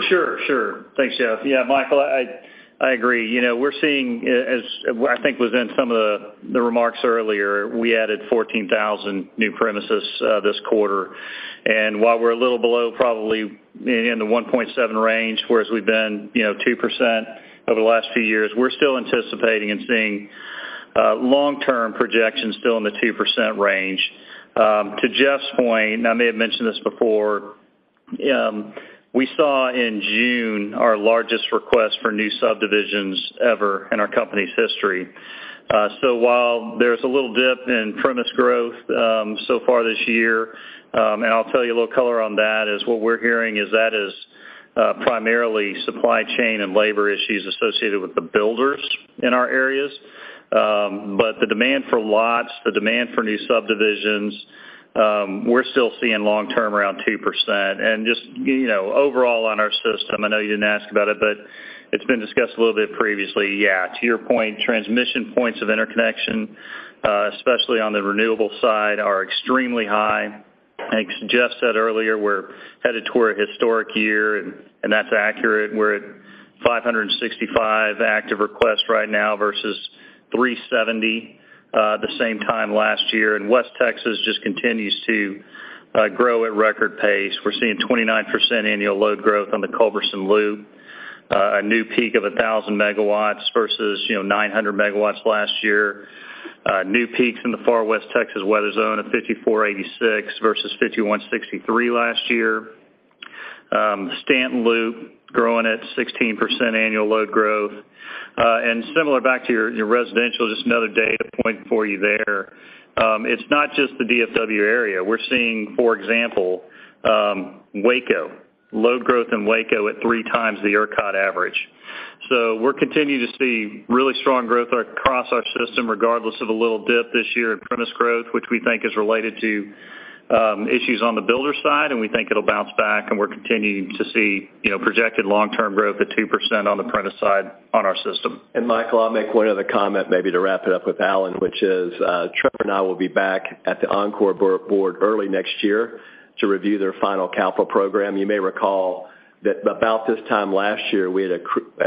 Sure, sure. Thanks, Jeff. Yeah, Michael, I agree. You know, we're seeing as I think was in some of the remarks earlier, we added 14,000 new premises this quarter. While we're a little below probably in the 1.7% range, whereas we've been, you know, 2% over the last few years, we're still anticipating and seeing long-term projections still in the 2% range. To Jeff's point, and I may have mentioned this before, we saw in June our largest request for new subdivisions ever in our company's history. While there's a little dip in premise growth so far this year, and I'll tell you a little color on that, what we're hearing is that primarily supply chain and labor issues associated with the builders in our areas. The demand for lots, the demand for new subdivisions, we're still seeing long-term around 2%. Just, you know, overall on our system, I know you didn't ask about it, but it's been discussed a little bit previously. Yeah, to your point, transmission points of interconnection, especially on the renewable side, are extremely high. I think Jeff said earlier we're headed toward a historic year, and that's accurate. We're at 565 active requests right now versus 370, the same time last year. West Texas just continues to grow at record pace. We're seeing 29% annual load growth on the Culberson Loop, a new peak of 1,000 MW versus, you know, 900 MW last year. New peaks in the far West Texas weather zone of 5,486 versus 5,163 last year. Stanton Loop growing at 16% annual load growth. And similar back to your residential, just another data point for you there. It's not just the DFW area. We're seeing, for example, Waco. Load growth in Waco at three times the ERCOT average. We're continuing to see really strong growth across our system, regardless of a little dip this year in premise growth, which we think is related to issues on the builder side, and we think it'll bounce back. We're continuing to see, you know, projected long-term growth at 2% on the premise side on our system. Michael, I'll make one other comment maybe to wrap it up with Allen, which is, Trevor and I will be back at the Oncor board early next year to review their final capital program. You may recall that about this time last year, we had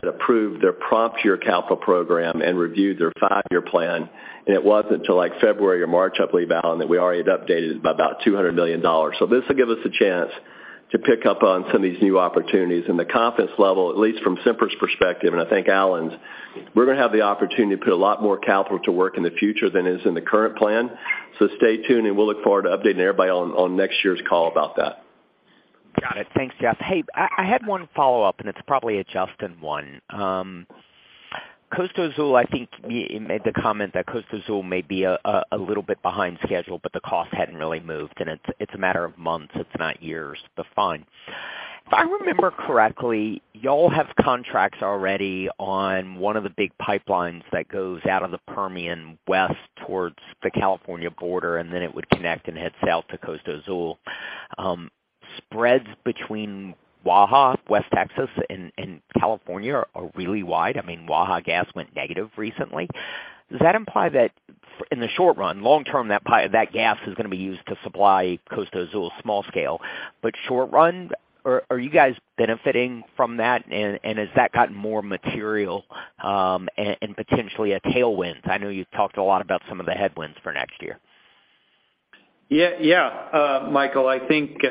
approved their prior year capital program and reviewed their five-year plan. It wasn't until, like, February or March, I believe, Allen, that we already had updated it by about $200 million. This will give us a chance to pick up on some of these new opportunities. The confidence level, at least from Sempra's perspective, and I think Allen's, we're gonna have the opportunity to put a lot more capital to work in the future than is in the current plan. Stay tuned, and we'll look forward to updating everybody on next year's call about that. Got it. Thanks, Jeff. Hey, I had one follow-up, and it's probably a Justin one. Costa Azul, I think in the comment that Costa Azul may be a little bit behind schedule, but the cost hadn't really moved, and it's a matter of months, it's not years, but fine. If I remember correctly, y'all have contracts already on one of the big pipelines that goes out of the Permian West towards the California border, and then it would connect and head south to Costa Azul. Spreads between Waha, West Texas, and California are really wide. I mean, Waha Gas went negative recently. Does that imply that in the short run, long term, that gas is gonna be used to supply Costa Azul small scale, but short run, are you guys benefiting from that, and has that gotten more material, and potentially a tailwind? I know you've talked a lot about some of the headwinds for next year. Yeah, Michael, I think,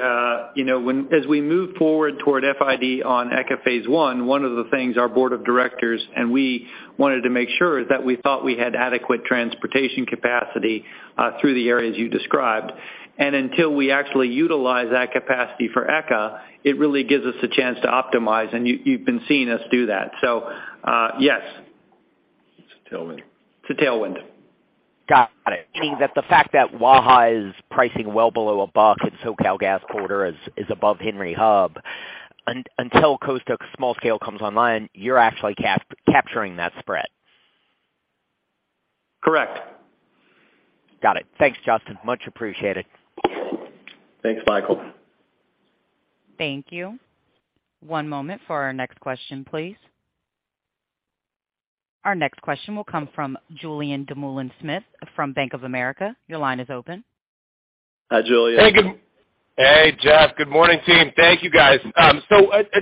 you know, as we move forward toward FID on ECA phase I, one of the things our board of directors and we wanted to make sure is that we thought we had adequate transportation capacity through the areas you described. Until we actually utilize that capacity for ECA, it really gives us a chance to optimize, and you've been seeing us do that. Yes. It's a tailwind. It's a tailwind. Got it. Meaning that the fact that Waha is pricing well below a buck and SoCalGas border is above Henry Hub, until Costa Azul small scale comes online, you're actually capturing that spread. Correct. Got it. Thanks, Jeff. Much appreciated. Thanks, Michael. Thank you. One moment for our next question, please. Our next question will come from Julien Dumoulin-Smith from Bank of America. Your line is open. Hi, Julien. Hey, Jeff. Good morning, team. Thank you, guys. I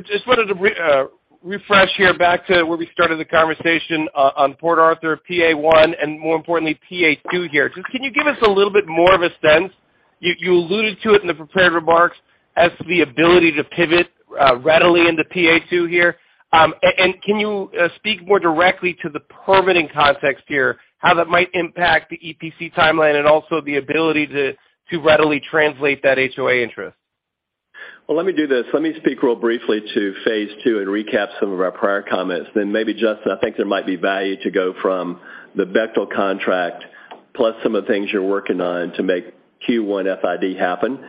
just wanted to refresh here back to where we started the conversation on Port Arthur, PA one, and more importantly, PA two here. Can you give us a little bit more of a sense? You alluded to it in the prepared remarks as to the ability to pivot readily into PA two here. And can you speak more directly to the permitting context here, how that might impact the EPC timeline and also the ability to readily translate that HOA interest? Well, let me do this. Let me speak real briefly to phase II and recap some of our prior comments. Maybe, Justin, I think there might be value to go from the Bechtel contract plus some of the things you're working on to make Q1 FID happen.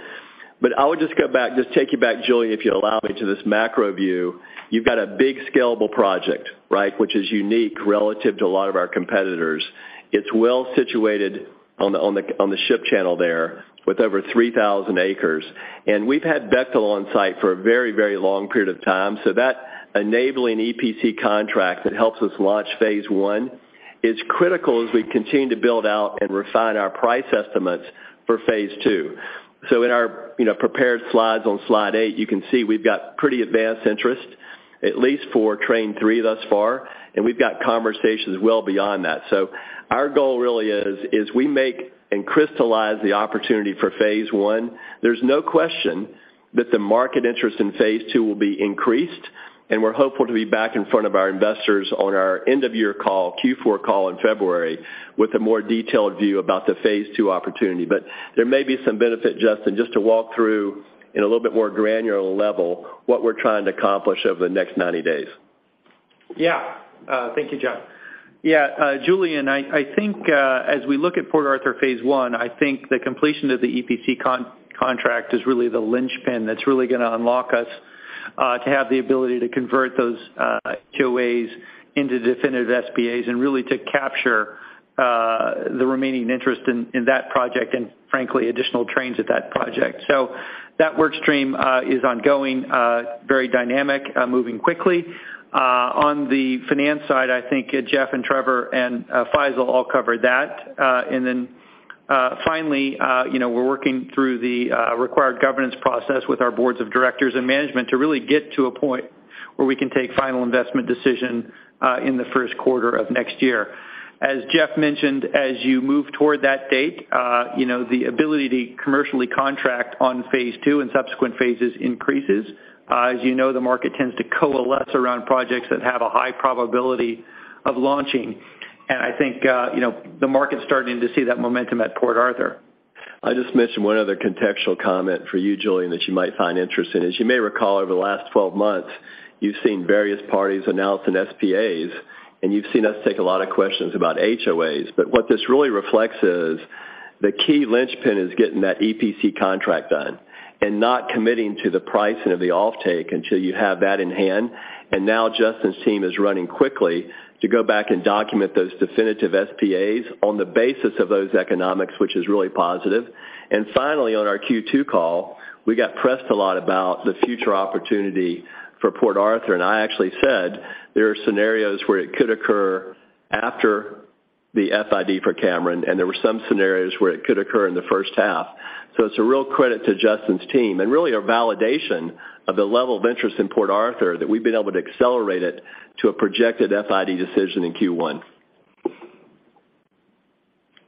I would just go back, just take you back, Julien, if you allow me, to this macro view. You've got a big scalable project, right? Which is unique relative to a lot of our competitors. It's well situated on the ship channel there with over 3,000 acres. We've had Bechtel on site for a very, very long period of time. That enabling EPC contract that helps us launch phase I is critical as we continue to build out and refine our price estimates for phase II. In our, you know, prepared slides on slide eight, you can see we've got pretty advanced interest, at least for train three thus far, and we've got conversations well beyond that. Our goal really is we make and crystallize the opportunity for phase I. There's no question that the market interest in phase II will be increased, and we're hopeful to be back in front of our investors on our end of year call, Q4 call in February, with a more detailed view about the phase II opportunity. There may be some benefit, Justin, just to walk through in a little bit more granular level what we're trying to accomplish over the next 90 days. Thank you, Jeff. Yeah, Julien, I think, as we look at Port Arthur phase I, I think the completion of the EPC contract is really the linchpin that's really gonna unlock us to have the ability to convert those HOAs into definitive SPAs and really to capture the remaining interest in that project and frankly, additional trains at that project. That work stream is ongoing, very dynamic, moving quickly. On the finance side, I think Jeff and Trevor and Faisel all covered that. Finally, you know, we're working through the required governance process with our boards of directors and management to really get to a point where we can take final investment decision in the first quarter of next year. As Jeff mentioned, as you move toward that date, you know, the ability to commercially contract on phase II and subsequent phases increases. As you know, the market tends to coalesce around projects that have a high probability of launching. I think, you know, the market's starting to see that momentum at Port Arthur. I just mentioned one other contextual comment for you, Julien, that you might find interesting. As you may recall, over the last 12 months, you've seen various parties announce SPAs, and you've seen us take a lot of questions about HOAs. What this really reflects is the key linchpin is getting that EPC contract done and not committing to the pricing of the offtake until you have that in hand. Now Justin's team is running quickly to go back and document those definitive SPAs on the basis of those economics, which is really positive. Finally, on our Q2 call, we got pressed a lot about the future opportunity for Port Arthur. I actually said there are scenarios where it could occur after the FID for Cameron, and there were some scenarios where it could occur in the first half. It's a real credit to Justin's team and really a validation of the level of interest in Port Arthur that we've been able to accelerate it to a projected FID decision in Q1.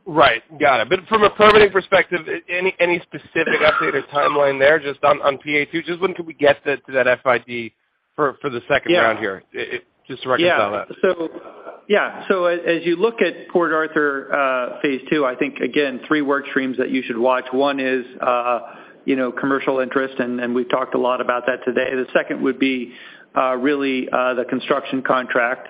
Right. Got it. From a permitting perspective, any specific update or timeline there just on PA two? Just when can we get to that FID for the second round here? Yeah. Just to reconcile that. As you look at Port Arthur phase II, I think again, three work streams that you should watch. One is, you know, commercial interest, and we've talked a lot about that today. The second would be, really, the construction contract.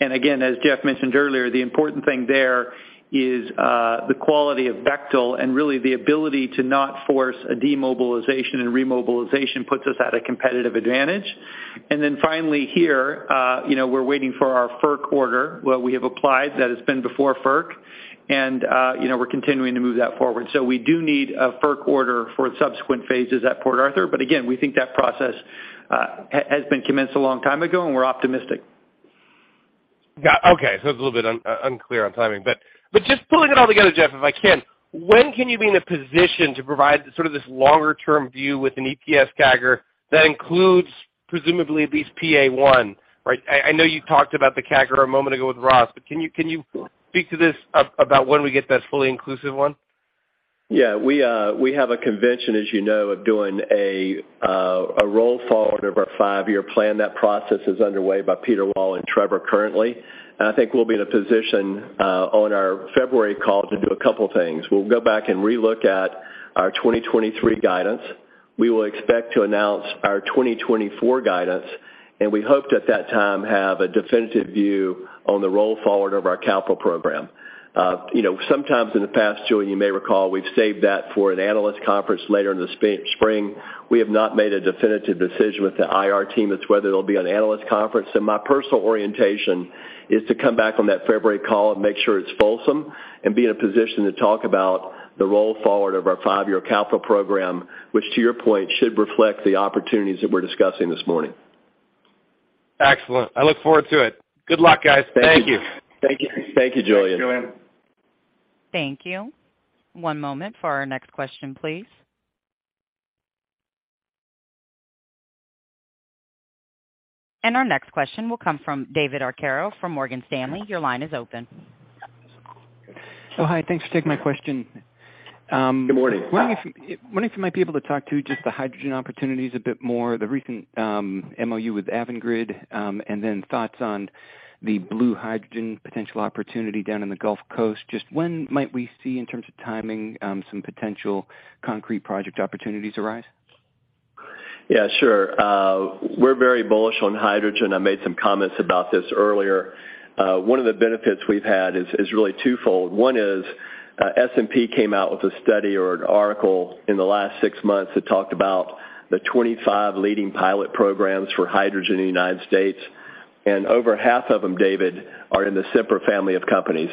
Again, as Jeff mentioned earlier, the important thing there is, the quality of Bechtel and really the ability to not force a demobilization and remobilization puts us at a competitive advantage. Then finally here, you know, we're waiting for our FERC order that we have applied for that has been before FERC, and, you know, we're continuing to move that forward. We do need a FERC order for subsequent phases at Port Arthur. Again, we think that process has been commenced a long time ago, and we're optimistic. Got it. Okay. It's a little bit unclear on timing. Just pulling it all together, Jeff, if I can, when can you be in a position to provide sort of this longer-term view with an EPS CAGR that includes presumably at least PA one, right? I know you talked about the CAGR a moment ago with Ross, but can you speak to this about when we get that fully inclusive one? Yeah. We have a convention, as you know, of doing a roll forward of our five-year plan. That process is underway by Peter Wall and Trevor currently. I think we'll be in a position on our February call to do a couple things. We'll go back and relook at our 2023 guidance. We will expect to announce our 2024 guidance, and we hope to at that time have a definitive view on the roll forward of our capital program. You know, sometimes in the past, Julien, you may recall, we've saved that for an analyst conference later in the spring. We have not made a definitive decision with the IR team as to whether it'll be an analyst conference. My personal orientation is to come back on that February call and make sure it's fulsome and be in a position to talk about the roll forward of our five-year capital program, which to your point, should reflect the opportunities that we're discussing this morning. Excellent. I look forward to it. Good luck, guys. Thank you. Thank you. Thank you. Thank you, Julien. Thanks. Thank you. One moment for our next question, please. Our next question will come from David Arcaro from Morgan Stanley. Your line is open. Oh, hi. Thanks for taking my question. Good morning. Wondering if you might be able to talk to just the hydrogen opportunities a bit more, the recent MOU with Avangrid, and then thoughts on the blue hydrogen potential opportunity down in the Gulf Coast. Just when might we see in terms of timing, some potential concrete project opportunities arise? Yeah, sure. We're very bullish on hydrogen. I made some comments about this earlier. One of the benefits we've had is really twofold. One is, S&P came out with a study or an article in the last six months that talked about the 25 leading pilot programs for hydrogen in the United States, and over half of them, David, are in the Sempra family of companies.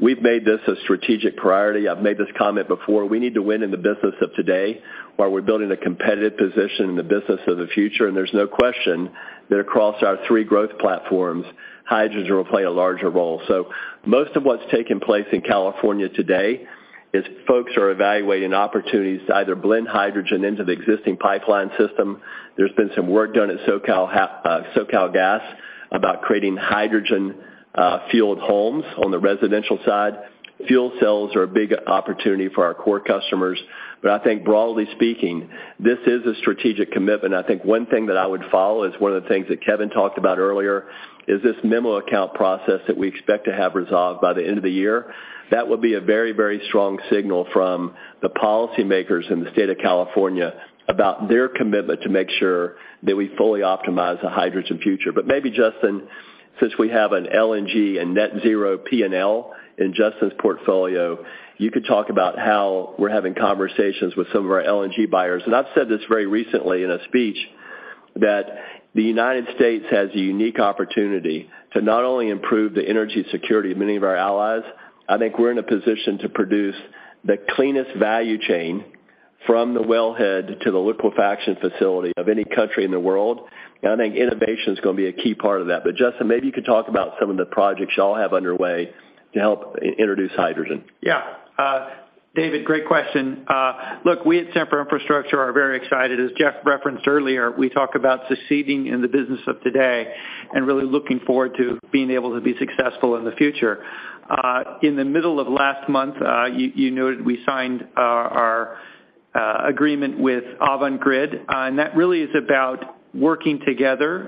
We've made this a strategic priority. I've made this comment before. We need to win in the business of today while we're building a competitive position in the business of the future. There's no question that across our three growth platforms, hydrogen will play a larger role. Most of what's taking place in California today is folks are evaluating opportunities to either blend hydrogen into the existing pipeline system. There's been some work done at SoCalGas about creating hydrogen fueled homes on the residential side. Fuel cells are a big opportunity for our core customers. I think broadly speaking, this is a strategic commitment. I think one thing that I would follow is one of the things that Kevin talked about earlier, is this memo account process that we expect to have resolved by the end of the year. That will be a very, very strong signal from the policymakers in the state of California about their commitment to make sure that we fully optimize the hydrogen future. Maybe, Justin, since we have an LNG and net zero P&L in Justin's portfolio, you could talk about how we're having conversations with some of our LNG buyers. I've said this very recently in a speech that the United States has a unique opportunity to not only improve the energy security of many of our allies, I think we're in a position to produce the cleanest value chain from the wellhead to the liquefaction facility of any country in the world. I think innovation is gonna be a key part of that. Justin, maybe you could talk about some of the projects y'all have underway to help introduce hydrogen. David, great question. Look, we at Sempra Infrastructure are very excited. As Jeff referenced earlier, we talk about succeeding in the business of today and really looking forward to being able to be successful in the future. In the middle of last month, you noted we signed our agreement with Avangrid, and that really is about working together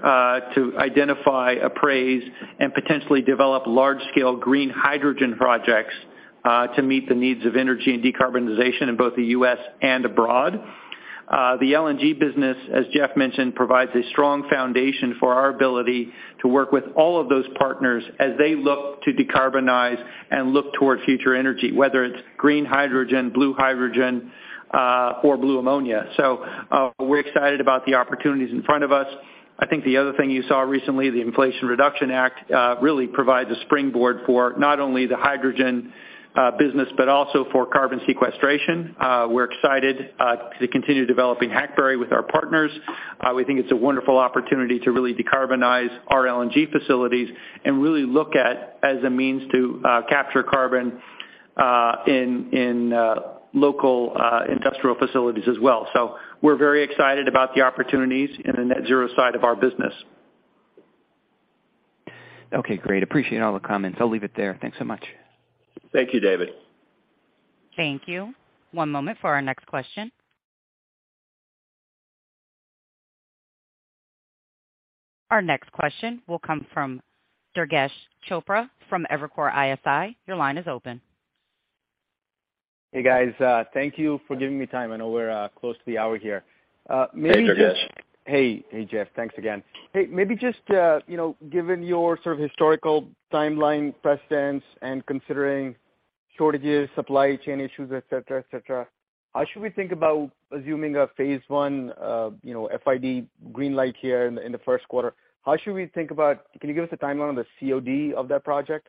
to identify, appraise, and potentially develop large-scale green hydrogen projects to meet the needs of energy and decarbonization in both the U.S. and abroad. The LNG business, as Jeff mentioned, provides a strong foundation for our ability to work with all of those partners as they look to decarbonize and look toward future energy, whether it's green hydrogen, blue hydrogen, or blue ammonia. We're excited about the opportunities in front of us. I think the other thing you saw recently, the Inflation Reduction Act, really provides a springboard for not only the hydrogen business, but also for carbon sequestration. We're excited to continue developing Hackberry with our partners. We think it's a wonderful opportunity to really decarbonize our LNG facilities and really look at as a means to capture carbon in local industrial facilities as well. We're very excited about the opportunities in the net zero side of our business. Okay, great. Appreciate all the comments. I'll leave it there. Thanks so much. Thank you, David. Thank you. One moment for our next question. Our next question will come from Durgesh Chopra from Evercore ISI. Your line is open. Hey, guys. Thank you for giving me time. I know we're close to the hour here. Maybe just- Hey, Durgesh. Hey. Hey, Jeff, thanks again. Hey, maybe just, you know, given your sort of historical timeline precedence and considering shortages, supply chain issues, et cetera, et cetera, how should we think about assuming a phase I, you know, FID greenlight here in the first quarter? Can you give us a timeline on the COD of that project?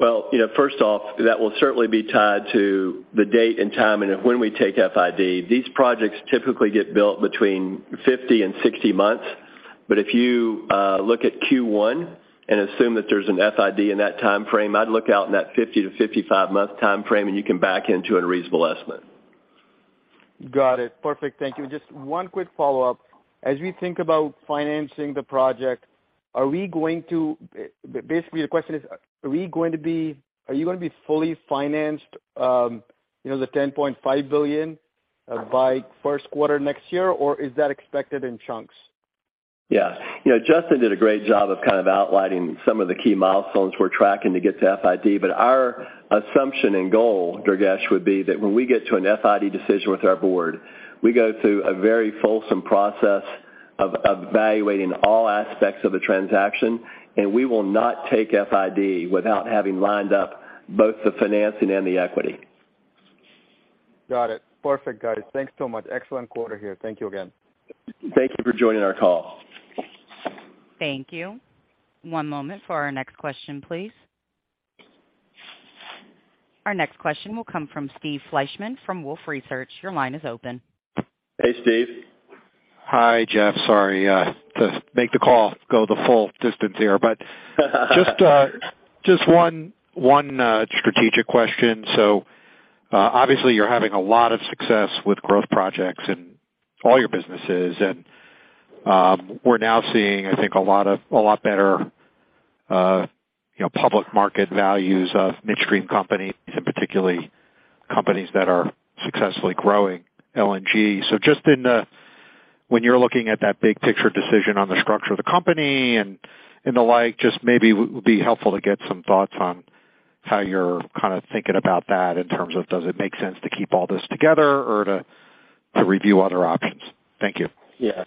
Well, you know, first off, that will certainly be tied to the date and time and when we take FID. These projects typically get built between 50 and 60 months. If you look at Q1 and assume that there's an FID in that timeframe, I'd look out in that 50-55-month timeframe, and you can back into a reasonable estimate. Got it. Perfect. Thank you. Just one quick follow-up. As we think about financing the project, basically, the question is, are you gonna be fully financed, the $10.5 billion by first quarter next year, or is that expected in chunks? Yeah. You know, Justin did a great job of kind of outlining some of the key milestones we're tracking to get to FID. Our assumption and goal, Durgesh, would be that when we get to an FID decision with our board, we go through a very fulsome process of evaluating all aspects of the transaction, and we will not take FID without having lined up both the financing and the equity. Got it. Perfect, guys. Thanks so much. Excellent quarter here. Thank you again. Thank you for joining our call. Thank you. One moment for our next question, please. Our next question will come from Steve Fleishman from Wolfe Research. Your line is open. Hey, Steve. Hi, Jeff. Sorry to make the call go the full distance here. Just one strategic question. Obviously, you're having a lot of success with growth projects in all your businesses. We're now seeing, I think, a lot better, you know, public market values of midstream companies, and particularly companies that are successfully growing LNG. Just when you're looking at that big picture decision on the structure of the company and the like, just maybe would be helpful to get some thoughts on how you're kinda thinking about that in terms of does it make sense to keep all this together or to review other options? Thank you. Yeah.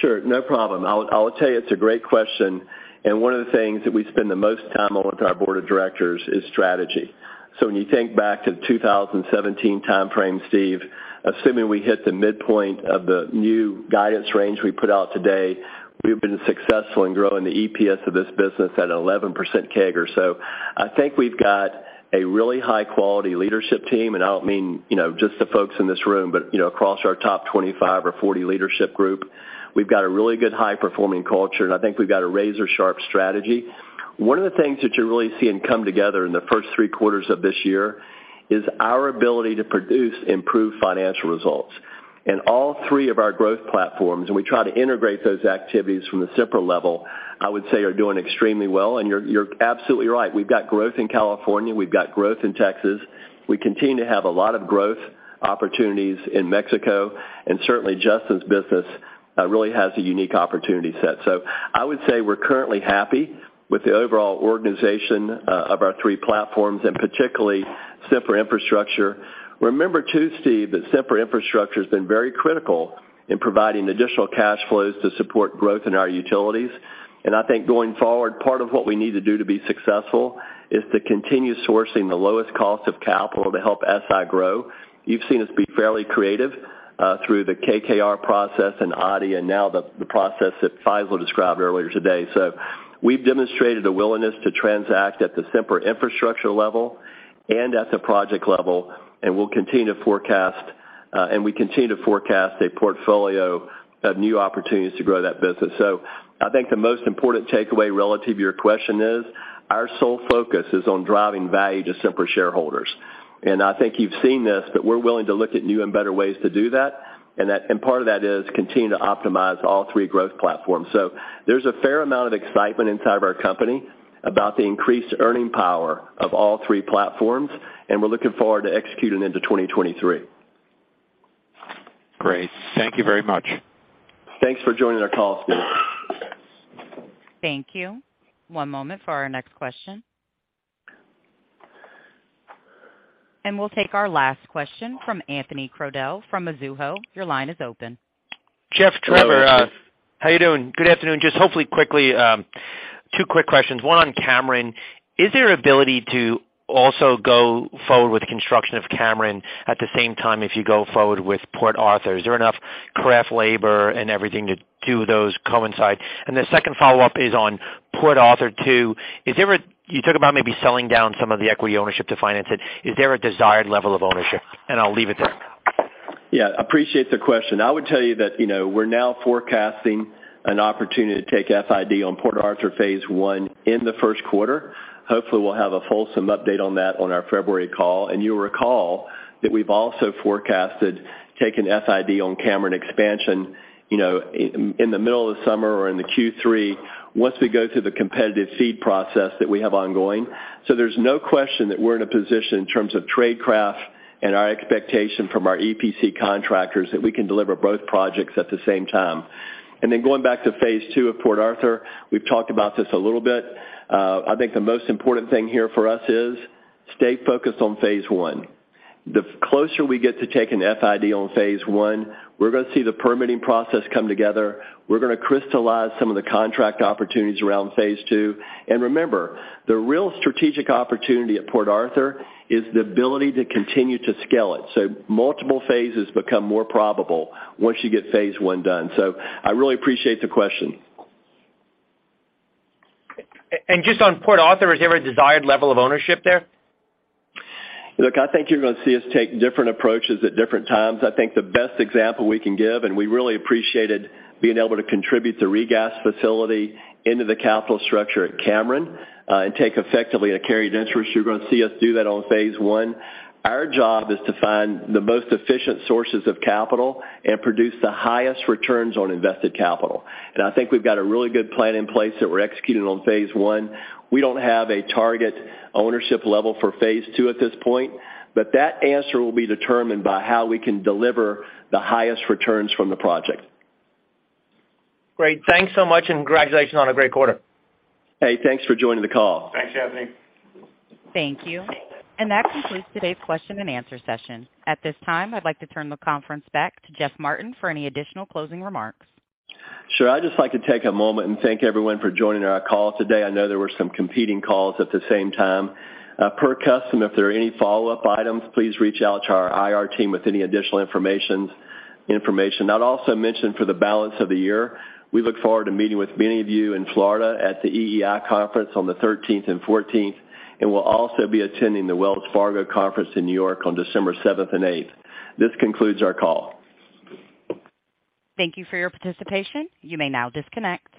Sure, no problem. I'll tell you it's a great question. One of the things that we spend the most time on with our board of directors is strategy. When you think back to 2017 timeframe, Steve, assuming we hit the midpoint of the new guidance range we put out today, we've been successful in growing the EPS of this business at 11% CAGR. I think we've got a really high-quality leadership team, and I don't mean, you know, just the folks in this room, but, you know, across our top 25 or 40 leadership group. We've got a really good high-performing culture, and I think we've got a razor-sharp strategy. One of the things that you're really seeing come together in the first three quarters of this year is our ability to produce improved financial results. All three of our growth platforms, and we try to integrate those activities from the Sempra level, I would say are doing extremely well. You're absolutely right. We've got growth in California, we've got growth in Texas, we continue to have a lot of growth opportunities in Mexico, and certainly Justin's business really has a unique opportunity set. I would say we're currently happy with the overall organization of our three platforms, and particularly Sempra Infrastructure. Remember too, Steve, that Sempra Infrastructure's been very critical in providing additional cash flows to support growth in our utilities. I think going forward, part of what we need to do to be successful is to continue sourcing the lowest cost of capital to help SI grow. You've seen us be fairly creative through the KKR process and ADIA, and now the process that Faisel described earlier today. We've demonstrated a willingness to transact at the Sempra Infrastructure level and at the project level, and we continue to forecast a portfolio of new opportunities to grow that business. I think the most important takeaway relative to your question is our sole focus is on driving value to Sempra shareholders. I think you've seen this, but we're willing to look at new and better ways to do that. Part of that is continuing to optimize all three growth platforms. There's a fair amount of excitement inside of our company about the increased earning power of all three platforms, and we're looking forward to executing into 2023. Great. Thank you very much. Thanks for joining our call, Steve. Thank you. One moment for our next question. We'll take our last question from Anthony Crowdell from Mizuho. Your line is open. Jeff, Trevor, how you doing? Good afternoon. Just hopefully quickly, two quick questions. One on Cameron. Is there ability to also go forward with the construction of Cameron at the same time if you go forward with Port Arthur? Is there enough craft labor and everything to do those coincide? The second follow-up is on Port Arthur too. You talk about maybe selling down some of the equity ownership to finance it. Is there a desired level of ownership? I'll leave it there. Yeah, appreciate the question. I would tell you that, you know, we're now forecasting an opportunity to take FID on Port Arthur phase I in the first quarter. Hopefully, we'll have a fulsome update on that on our February call. You'll recall that we've also forecasted taking FID on Cameron expansion, you know, in the middle of the summer or in the Q3, once we go through the competitive seed process that we have ongoing. There's no question that we're in a position in terms of tradecraft and our expectation from our EPC contractors that we can deliver both projects at the same time. Going back to phase II of Port Arthur, we've talked about this a little bit. I think the most important thing here for us is stay focused on phase I. The closer we get to taking FID on phase I, we're gonna see the permitting process come together. We're gonna crystallize some of the contract opportunities around phase II. Remember, the real strategic opportunity at Port Arthur is the ability to continue to scale it. Multiple phases become more probable once you get phase I done. I really appreciate the question. Just on Port Arthur, is there a desired level of ownership there? Look, I think you're gonna see us take different approaches at different times. I think the best example we can give, and we really appreciated being able to contribute the regas facility into the capital structure at Cameron, and take effectively a carry interest. You're gonna see us do that on phase I. Our job is to find the most efficient sources of capital and produce the highest returns on invested capital. I think we've got a really good plan in place that we're executing on phase I. We don't have a target ownership level for phase II at this point, but that answer will be determined by how we can deliver the highest returns from the project. Great. Thanks so much and congratulations on a great quarter. Hey, thanks for joining the call. Thanks, Anthony. Thank you. That concludes today's question and answer session. At this time, I'd like to turn the conference back to Jeff Martin for any additional closing remarks. Sure. I'd just like to take a moment and thank everyone for joining our call today. I know there were some competing calls at the same time. Per custom, if there are any follow-up items, please reach out to our IR team with any additional information. I'd also mention for the balance of the year, we look forward to meeting with many of you in Florida at the EEI conference on the 13th and 14th, and we'll also be attending the Wells Fargo conference in New York on December 7th and 8th. This concludes our call. Thank you for your participation. You may now disconnect.